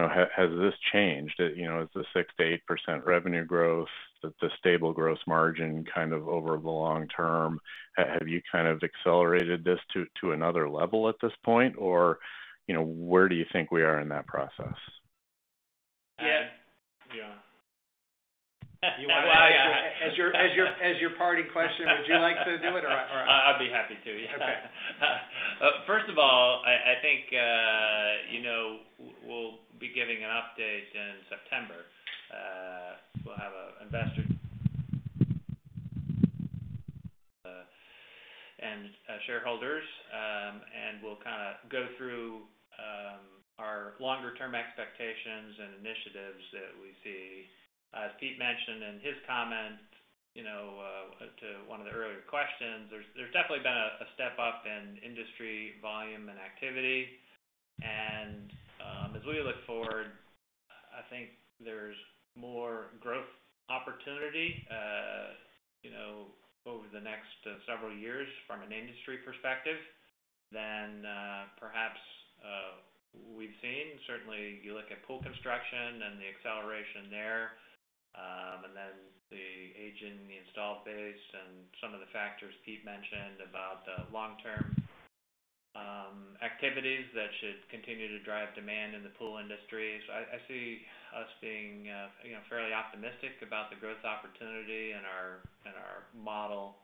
has this changed? Is the 6%-8% revenue growth, the stable gross margin kind of over the long term, have you kind of accelerated this to another level at this point? Where do you think we are in that process? Yeah. Yeah. Yeah. As your parting question, would you like to do it? I'd be happy to, yeah. Okay. First of all, I think, we'll be giving an update in September. We'll have an investor and shareholders, and we'll kind of go through our longer term expectations and initiatives that we see. As Pete mentioned in his comments, to one of the earlier questions, there's definitely been a step up in industry volume and activity. As we look forward, I think there's more growth opportunity, over the next several years from an industry perspective than perhaps we've seen. Certainly, you look at pool construction and the acceleration there, and then the aging installed base and some of the factors Pete mentioned about the long-term activities that should continue to drive demand in the pool industry. I see us being fairly optimistic about the growth opportunity and our model.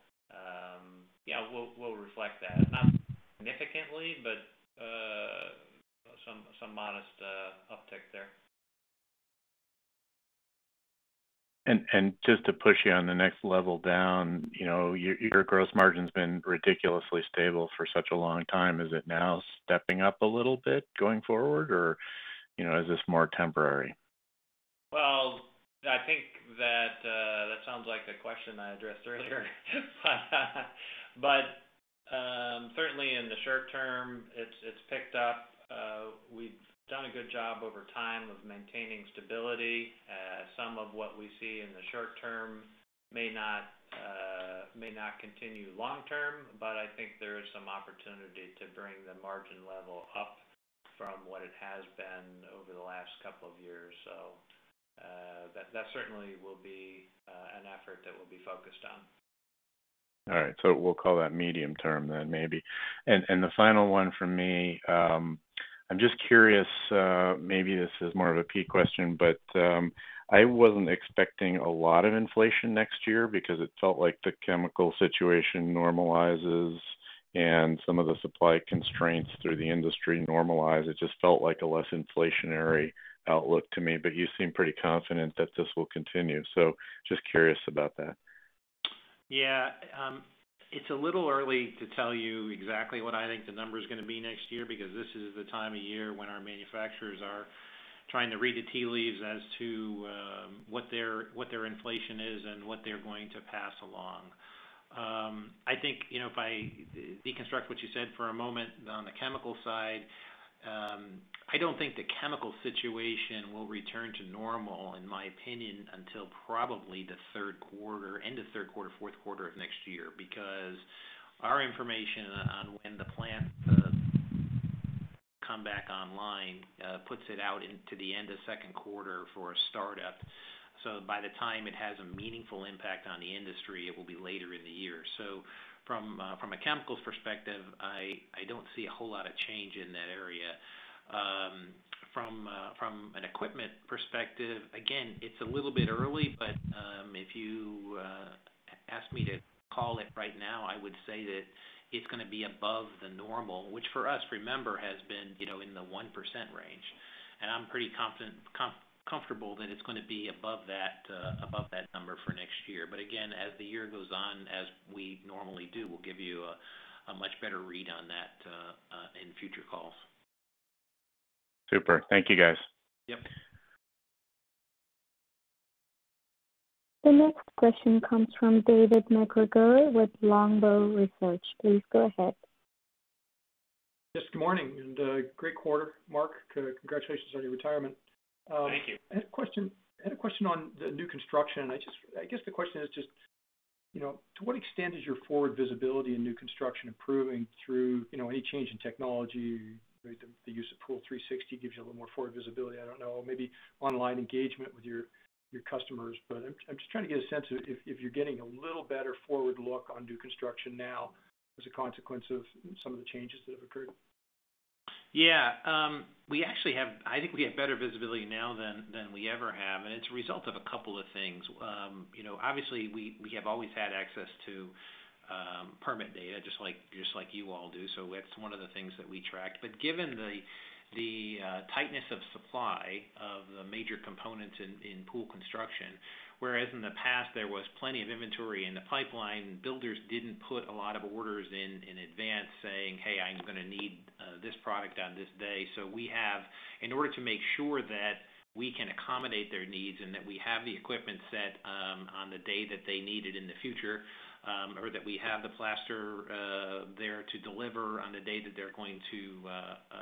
Yeah, we'll reflect that. Not significantly, but some modest uptick there. Just to push you on the next level down, your gross margin's been ridiculously stable for such a long time. Is it now stepping up a little bit going forward or is this more temporary? Well, I think that sounds like a question I addressed earlier. Certainly in the short term, it's picked up. We've done a good job over time of maintaining stability. Some of what we see in the short term may not continue long term but I think there is some opportunity to bring the margin level up from what it has been over the last couple of years. That certainly will be an effort that we'll be focused on. All right. We'll call that medium term then, maybe. The final one from me, I'm just curious, maybe this is more of a Pete question but I wasn't expecting a lot of inflation next year because it felt like the chemical situation normalizes and some of the supply constraints through the industry normalize. It just felt like a less inflationary outlook to me. You seem pretty confident that this will continue. Just curious about that. Yeah. It's a little early to tell you exactly what I think the number's going to be next year, because this is the time of year when our manufacturers are trying to read the tea leaves as to what their inflation is and what they're going to pass along. I think, if I deconstruct what you said for a moment on the chemical side, I don't think the chemical situation will return to normal, in my opinion, until probably the third quarter, end of third quarter, fourth quarter of next year. Because our information on when the plant come back online, puts it out into the end of second quarter for a startup. By the time it has a meaningful impact on the industry, it will be later in the year. From a chemicals perspective, I don't see a whole lot of change in that area. From an equipment perspective, again, it's a little bit early but if you ask me to call it right now, I would say that it's going to be above the normal which for us, remember, has been in the 1% range. I'm pretty comfortable that it's going to be above that number for next year. Again, as the year goes on, as we normally do, we'll give you a much better read on that in future calls. Super. Thank you, guys. Yep. The next question comes from David MacGregor with Longbow Research. Please go ahead. Yes, good morning. Great quarter, Mark. Congratulations on your retirement. Thank you. I had a question on the new construction and I guess the question is just, to what extent is your forward visibility in new construction improving through any change in technology, the use of Pool360 gives you a little more forward visibility. I don't know, maybe online engagement with your customers. I'm just trying to get a sense of if you're getting a little better forward look on new construction now as a consequence of some of the changes that have occurred. Yeah. I think we have better visibility now than we ever have and it's a result of a couple of things. Obviously, we have always had access to permit data just like you all do. That's one of the things that we tracked. Given the tightness of supply of the major components in pool construction, whereas in the past there was plenty of inventory in the pipeline, builders didn't put a lot of orders in advance saying, Hey, I'm going to need this product on this day. In order to make sure that we can accommodate their needs and that we have the equipment set on the day that they need it in the future, or that we have the plaster there to deliver on the day that they're going to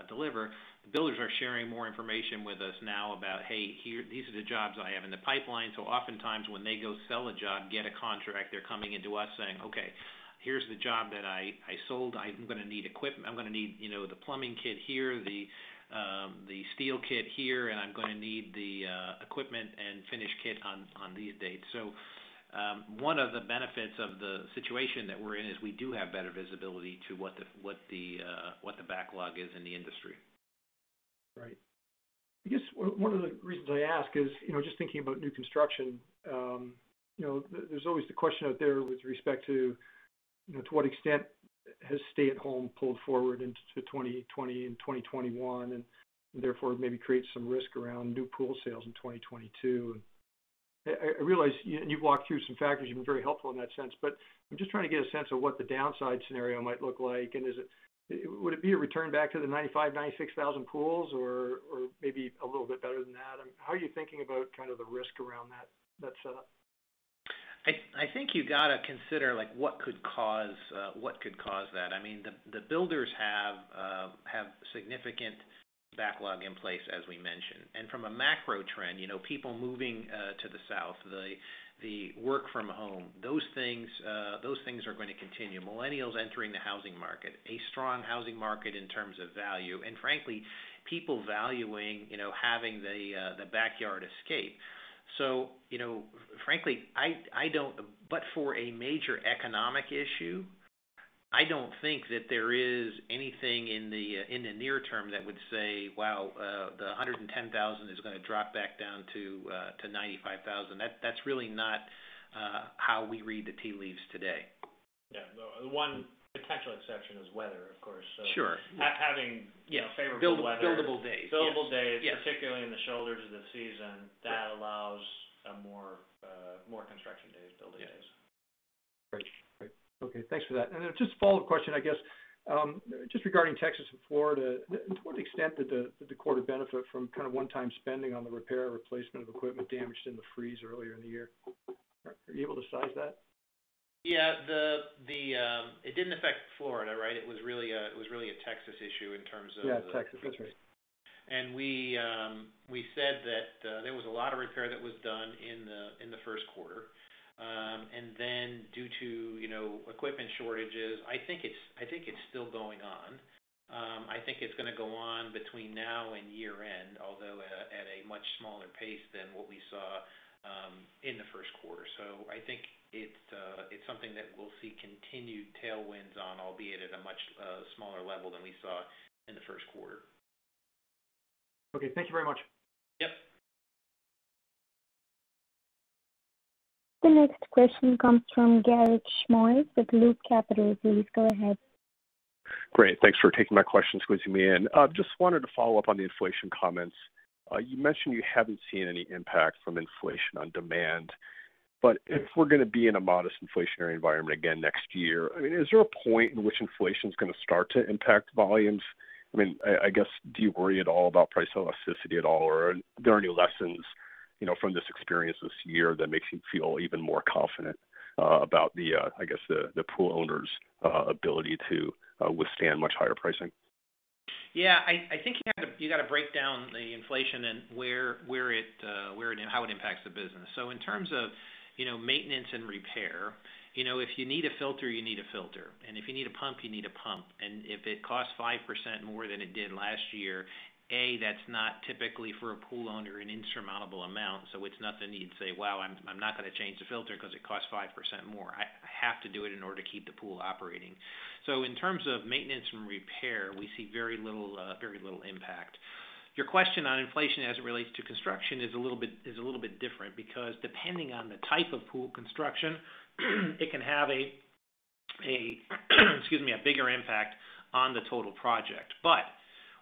deliver, the builders are sharing more information with us now about, Hey, here are the jobs I have in the pipeline. Oftentimes when they go sell a job, get a contract, they're coming into us saying, Okay, here's the job that I sold. I'm going to need the plumbing kit here, the steel kit here and I'm going to need the equipment and finish kit on these dates. One of the benefits of the situation that we're in is we do have better visibility to what the backlog is in the industry. Right. I guess one of the reasons I ask is, just thinking about new construction, there's always the question out there with respect to what extent has stay-at-home pulled forward into 2020 and 2021, and therefore maybe create some risk around new pool sales in 2022. I realize you've walked through some factors, you've been very helpful in that sense, but I'm just trying to get a sense of what the downside scenario might look like, and would it be a return back to the 95,000, 96,000 pools, or maybe a little bit better than that? How are you thinking about the risk around that setup? I think you've got to consider what could cause that. The builders have significant backlog in place, as we mentioned, and from a macro trend, people moving to the South, the work from home, those things are going to continue. Millennials entering the housing market, a strong housing market in terms of value, and frankly, people valuing having the backyard escape. Frankly, but for a major economic issue, I don't think that there is anything in the near term that would say, Wow. The 110,000 is going to drop back down to 95,000. That's really not how we read the tea leaves today. Yeah. The one potential exception is weather, of course. Sure. Having favorable weather. Buildable days. Buildable days. Yes particularly in the shoulders of the season. Yeah. That allows more construction days, build days. Yeah. Great. Okay. Thanks for that. Then just a follow-up question, I guess. Just regarding Texas and Florida, to what extent did the quarter benefit from one-time spending on the repair or replacement of equipment damaged in the freeze earlier in the year? Are you able to size that? Yeah. It didn't affect Florida, right? It was really a Texas issue in terms of- Yeah, Texas. That's right. We said that there was a lot of repair that was done in the first quarter. Due to equipment shortages, I think it's still going on. I think it's going to go on between now and year-end, although at a much smaller pace than what we saw in the first quarter. I think it's something that we'll see continued tailwinds on, albeit at a much smaller level than we saw in the first quarter. Okay. Thank you very much. Yep. The next question comes from Garik Shmois with Loop Capital. Please go ahead. Great. Thanks for taking my questions, squeezing me in. Just wanted to follow up on the inflation comments. You mentioned you haven't seen any impact from inflation on demand but if we're going to be in a modest inflationary environment again next year, is there a point in which inflation's going to start to impact volumes? I guess, do you worry at all about price elasticity at all, or are there any lessons from this experience this year that makes you feel even more confident about, I guess, the pool owners' ability to withstand much higher pricing? Yeah, I think you've got to break down the inflation and how it impacts the business. In terms of maintenance and repair, if you need a filter, you need a filter, and if you need a pump, you need a pump, and if it costs 5% more than it did last year, that's not typically for a pool owner an insurmountable amount. It's nothing you'd say, Wow, I'm not going to change the filter because it costs 5% more. I have to do it in order to keep the pool operating. In terms of maintenance and repair, we see very little impact. Your question on inflation as it relates to construction is a little bit different because depending on the type of pool construction, it can have a excuse me, a bigger impact on the total project.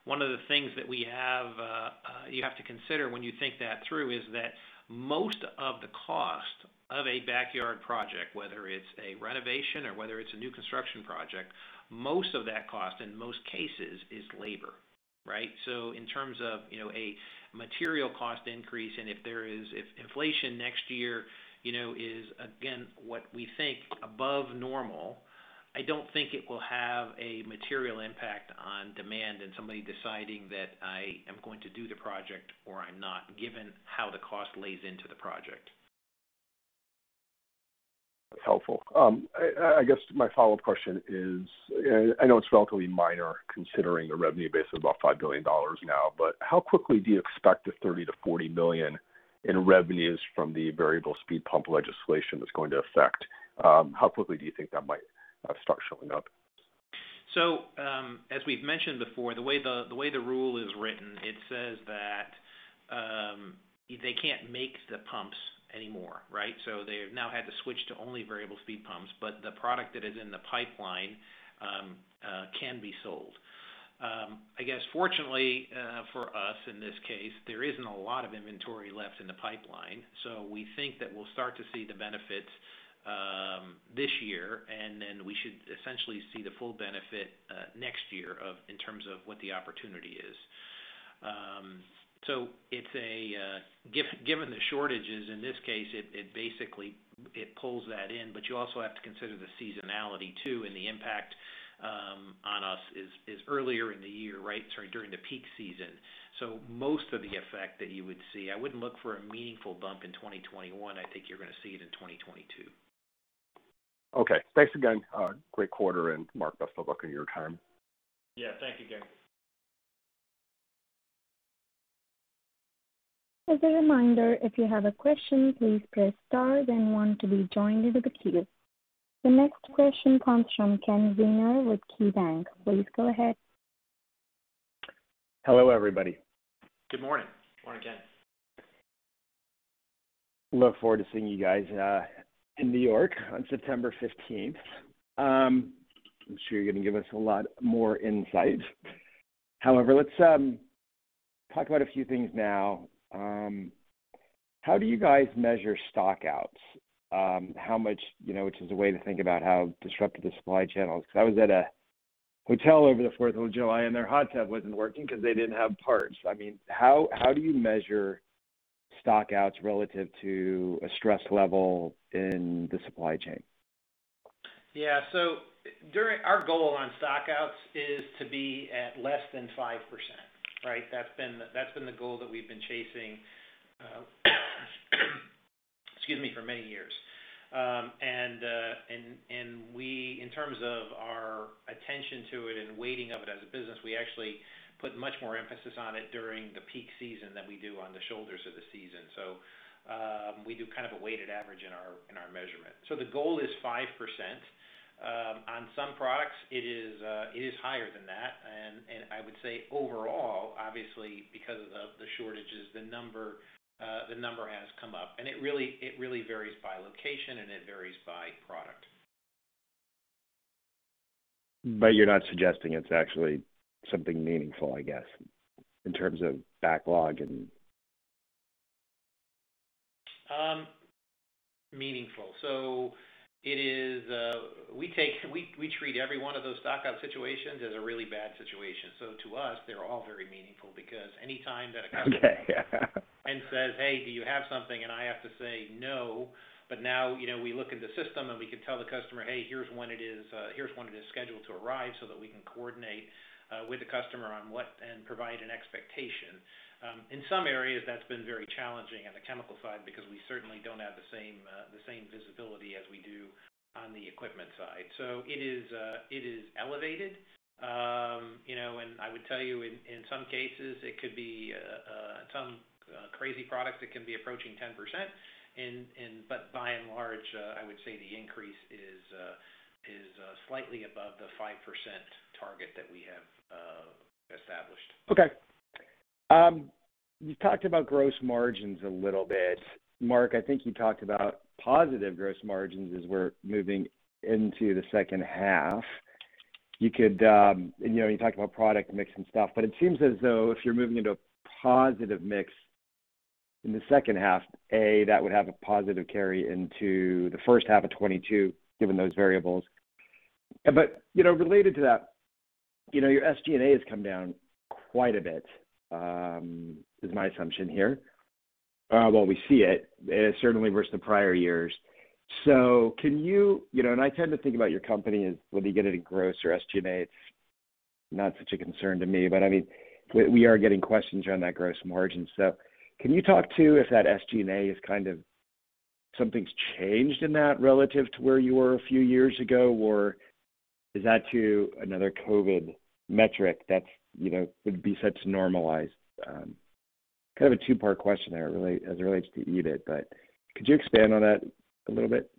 One of the things that you have to consider when you think that through is that most of the cost of a backyard project, whether it's a renovation or whether it's a new construction project, most of that cost in most cases is labor. Right? In terms of a material cost increase, and if inflation next year is again what we think above normal, I don't think it will have a material impact on demand and somebody deciding that I am going to do the project or I'm not, given how the cost lays into the project. That's helpful. I guess my follow-up question is, I know it's relatively minor considering the revenue base is about $5 billion now, but how quickly do you expect the $30 million-$40 million in revenues from the variable speed pump legislation that's going to affect, how quickly do you think that might start showing up? As we've mentioned before, the way the rule is written, it says that they can't make the pumps anymore, right? They now have to switch to only variable speed pumps, but the product that is in the pipeline can be sold. I guess fortunately for us in this case, there isn't a lot of inventory left in the pipeline. We think that we'll start to see the benefits this year, and then we should essentially see the full benefit next year in terms of what the opportunity is. Given the shortages in this case, it basically pulls that in, but you also have to consider the seasonality too, and the impact on us is earlier in the year, right? Sorry, during the peak season. Most of the effect that you would see, I wouldn't look for a meaningful bump in 2021. I think you're going to see it in 2022. Okay. Thanks again. Great quarter, Mark, best of luck in your retirement. Yeah, thank you, Garik. As a reminder, if you have a question, please press star then one to be joined into the queue. The next question comes from Ken Zener with KeyBanc. Please go ahead. Hello, everybody. Good morning. Morning, Ken. Look forward to seeing you guys in New York on September 15th. I'm sure you're going to give us a lot more insight. Let's talk about a few things now. How do you guys measure stockouts? How much, which is a way to think about how disrupted the supply channel is. Because I was at a hotel over the Fourth of July, and their hot tub wasn't working because they didn't have parts. How do you measure stockouts relative to a stress level in the supply chain? Yeah. Our goal on stockouts is to be at less than 5%, right? That's been the goal that we've been chasing excuse me, for many years. We, in terms of our attention to it and weighting of it as a business, we actually put much more emphasis on it during the peak season than we do on the shoulders of the season. We do kind of a weighted average in our measurement. The goal is 5%. On some products, it is higher than that, and I would say overall, obviously because of the shortages, the number has come up, and it really varies by location, and it varies by product. You're not suggesting it's actually something meaningful, I guess, in terms of backlog. Meaningful. We treat every one of those stockout situations as a really bad situation. To us, they're all very meaningful because anytime that a. Yeah Says, Hey, do you have something? I have to say, No. Now, we look in the system, and we can tell the customer, Hey, here's when it is scheduled to arrive, so that we can coordinate with the customer on what, and provide an expectation. In some areas, that's been very challenging on the chemical side because we certainly don't have the same visibility as we do on the equipment side. It is elevated. I would tell you in some cases, it could be some crazy products that can be approaching 10%, but by and large, I would say the increase is slightly above the 5% target that we have established. Okay. You talked about gross margins a little bit. Mark, I think you talked about positive gross margins as we're moving into the second half. You talked about product mix and stuff. It seems as though if you're moving into a positive mix in the second half, A, that would have a positive carry into the first half of 2022, given those variables. Related to that, your SG&A has come down quite a bit, is my assumption here. Well, we see it, certainly versus the prior years. I tend to think about your company as whether you get any gross or SG&A, it's not such a concern to me, but we are getting questions around that gross margin. Can you talk to if that SG&A is kind of something's changed in that relative to where you were a few years ago? Is that too another COVID metric that would be set to normalize? Kind of a two-part question there as it relates to EBIT, but could you expand on that a little bit?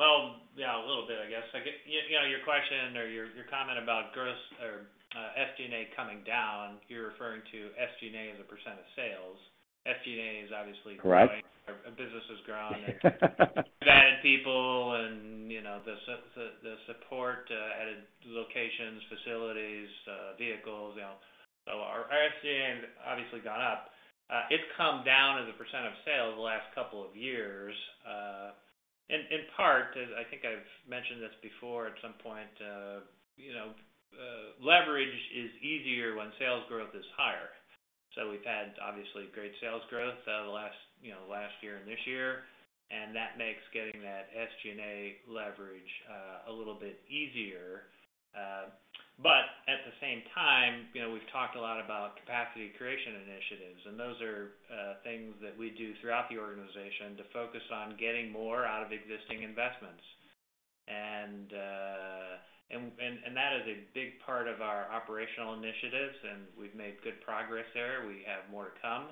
Well, yeah, a little bit, I guess. Your question or your comment about gross or SG&A coming down, you're referring to SG&A as a percent of sales. SG&A is obviously. Correct growing. Our business has grown. We've added people and the support, added locations, facilities, vehicles. Our SG&A has obviously gone up. It's come down as a percent of sales the last couple of years. In part, I think I've mentioned this before at some point, leverage is easier when sales growth is higher. We've had obviously great sales growth the last year and this year, and that makes getting that SG&A leverage a little bit easier. At the same time, we've talked a lot about capacity creation initiatives, and those are things that we do throughout the organization to focus on getting more out of existing investments. That is a big part of our operational initiatives, and we've made good progress there. We have more to come.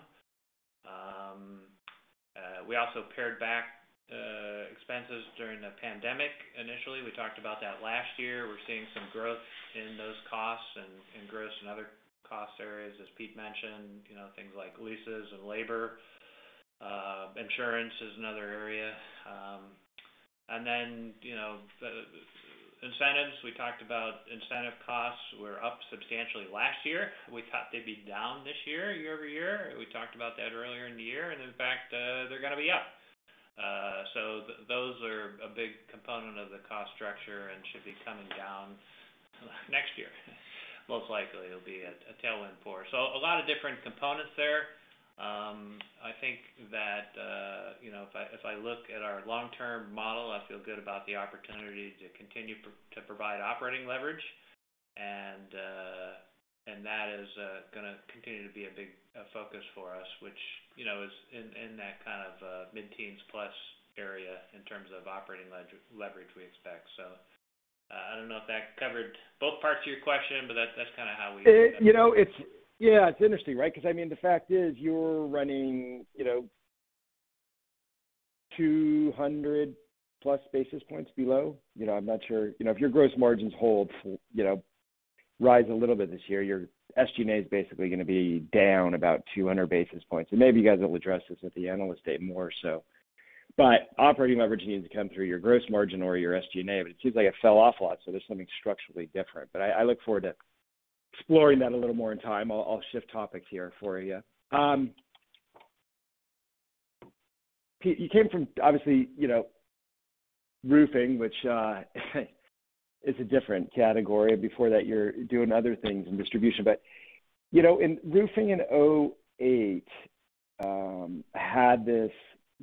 We also pared back expenses during the pandemic. Initially, we talked about that last year. We're seeing some growth in those costs and growth in other cost areas, as Pete mentioned, things like leases and labor. Insurance is another area. The incentives. We talked about incentive costs were up substantially last year. We thought they'd be down this year-over-year. We talked about that earlier in the year, and in fact, they're going to be up. Those are a big component of the cost structure and should be coming down next year. Most likely, it'll be a tailwind for us. A lot of different components there. I think that if I look at our long-term model, I feel good about the opportunity to continue to provide operating leverage. That is going to continue to be a big focus for us, which is in that kind of mid-teens plus area in terms of operating leverage we expect. I don't know if that covered both parts of your question, but that's kind of how we view that. Yeah, it's interesting, right? The fact is you're running 200+ basis points below. I'm not sure. If your gross margins hold rise a little bit this year, your SG&A is basically going to be down about 200 basis points. Maybe you guys will address this at the Analyst Day more so, operating leverage needs to come through your gross margin or your SG&A, it seems like it fell off a lot. There's something structurally different, I look forward to exploring that a little more in time. I'll shift topics here for you. Pete, you came from, obviously, roofing, which is a different category. Before that, you were doing other things in distribution. Roofing in 2008 had this,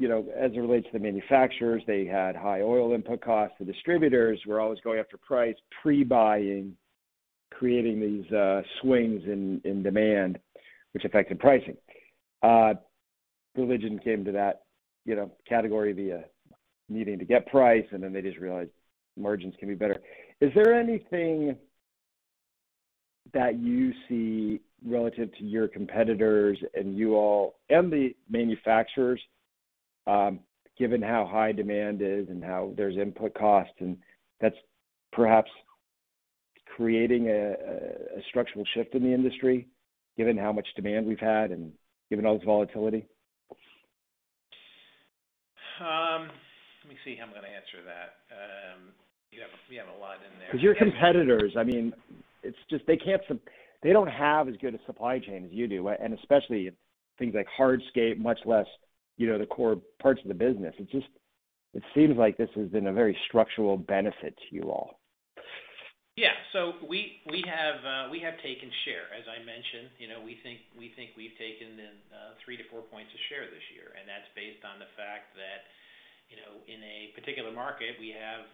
as it relates to the manufacturers, they had high oil input costs. The distributors were always going after price, pre-buying, creating these swings in demand, which affected pricing. Religion came to that category via needing to get price, and then they just realized margins can be better. Is there anything that you see relative to your competitors and you all and the manufacturers given how high demand is and how there's input costs, and that's perhaps creating a structural shift in the industry, given how much demand we've had and given all this volatility? Let me see how I'm going to answer that. We have a lot in there. Your competitors, they don't have as good a supply chain as you do, and especially things like hardscape, much less the core parts of the business. It seems like this has been a very structural benefit to you all. Yeah. We have taken share. As I mentioned, we think we've taken 3 to 4 points of share this year, and that's based on the fact that, in a particular market, we have,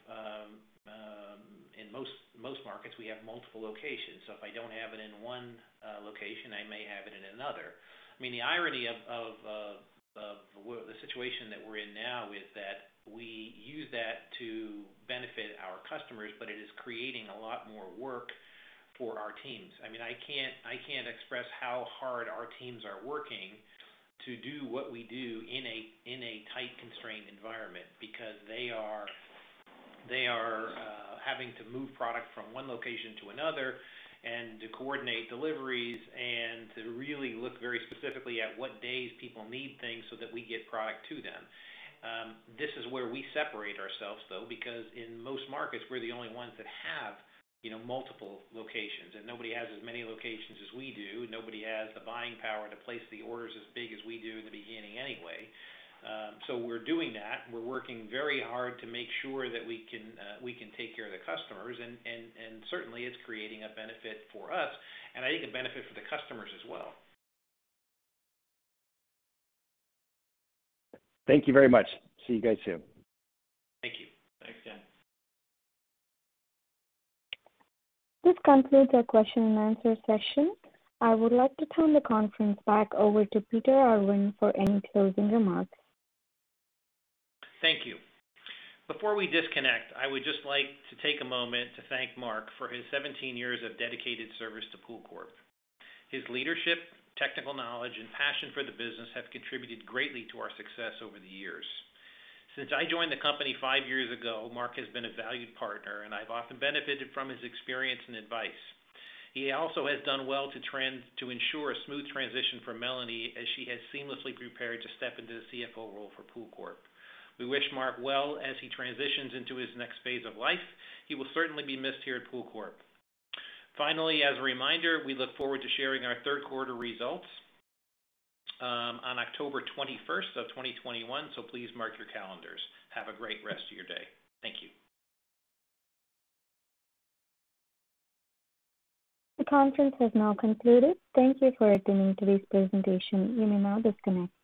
in most markets, we have multiple locations. If I don't have it in one location, I may have it in another. The irony of the situation that we're in now is that we use that to benefit our customers but it is creating a lot more work for our teams. I can't express how hard our teams are working to do what we do in a tight constraint environment because they are having to move product from one location to another and to coordinate deliveries and to really look very specifically at what days people need things so that we get product to them. This is where we separate ourselves, though, because in most markets, we're the only ones that have multiple locations, and nobody has as many locations as we do. Nobody has the buying power to place the orders as big as we do in the beginning anyway. We're doing that. We're working very hard to make sure that we can take care of the customers, and certainly, it's creating a benefit for us and I think a benefit for the customers as well. Thank you very much. See you guys soon. Thank you. Thanks, Ken. This concludes our question and answer session. I would like to turn the conference back over to Peter Arvan for any closing remarks. Thank you. Before we disconnect, I would just like to take a moment to thank Mark for his 17 years of dedicated service to PoolCorp. His leadership, technical knowledge, and passion for the business have contributed greatly to our success over the years. Since I joined the company five years ago, Mark has been a valued partner and I've often benefited from his experience and advice. He also has done well to ensure a smooth transition for Melanie as she has seamlessly prepared to step into the CFO role for PoolCorp. We wish Mark well as he transitions into his next phase of life. He will certainly be missed here at PoolCorp. As a reminder, we look forward to sharing our third quarter results on October 21st of 2021. Please mark your calendars. Have a great rest of your day. Thank you. The conference has now concluded. Thank you for attending today's presentation. You may now disconnect.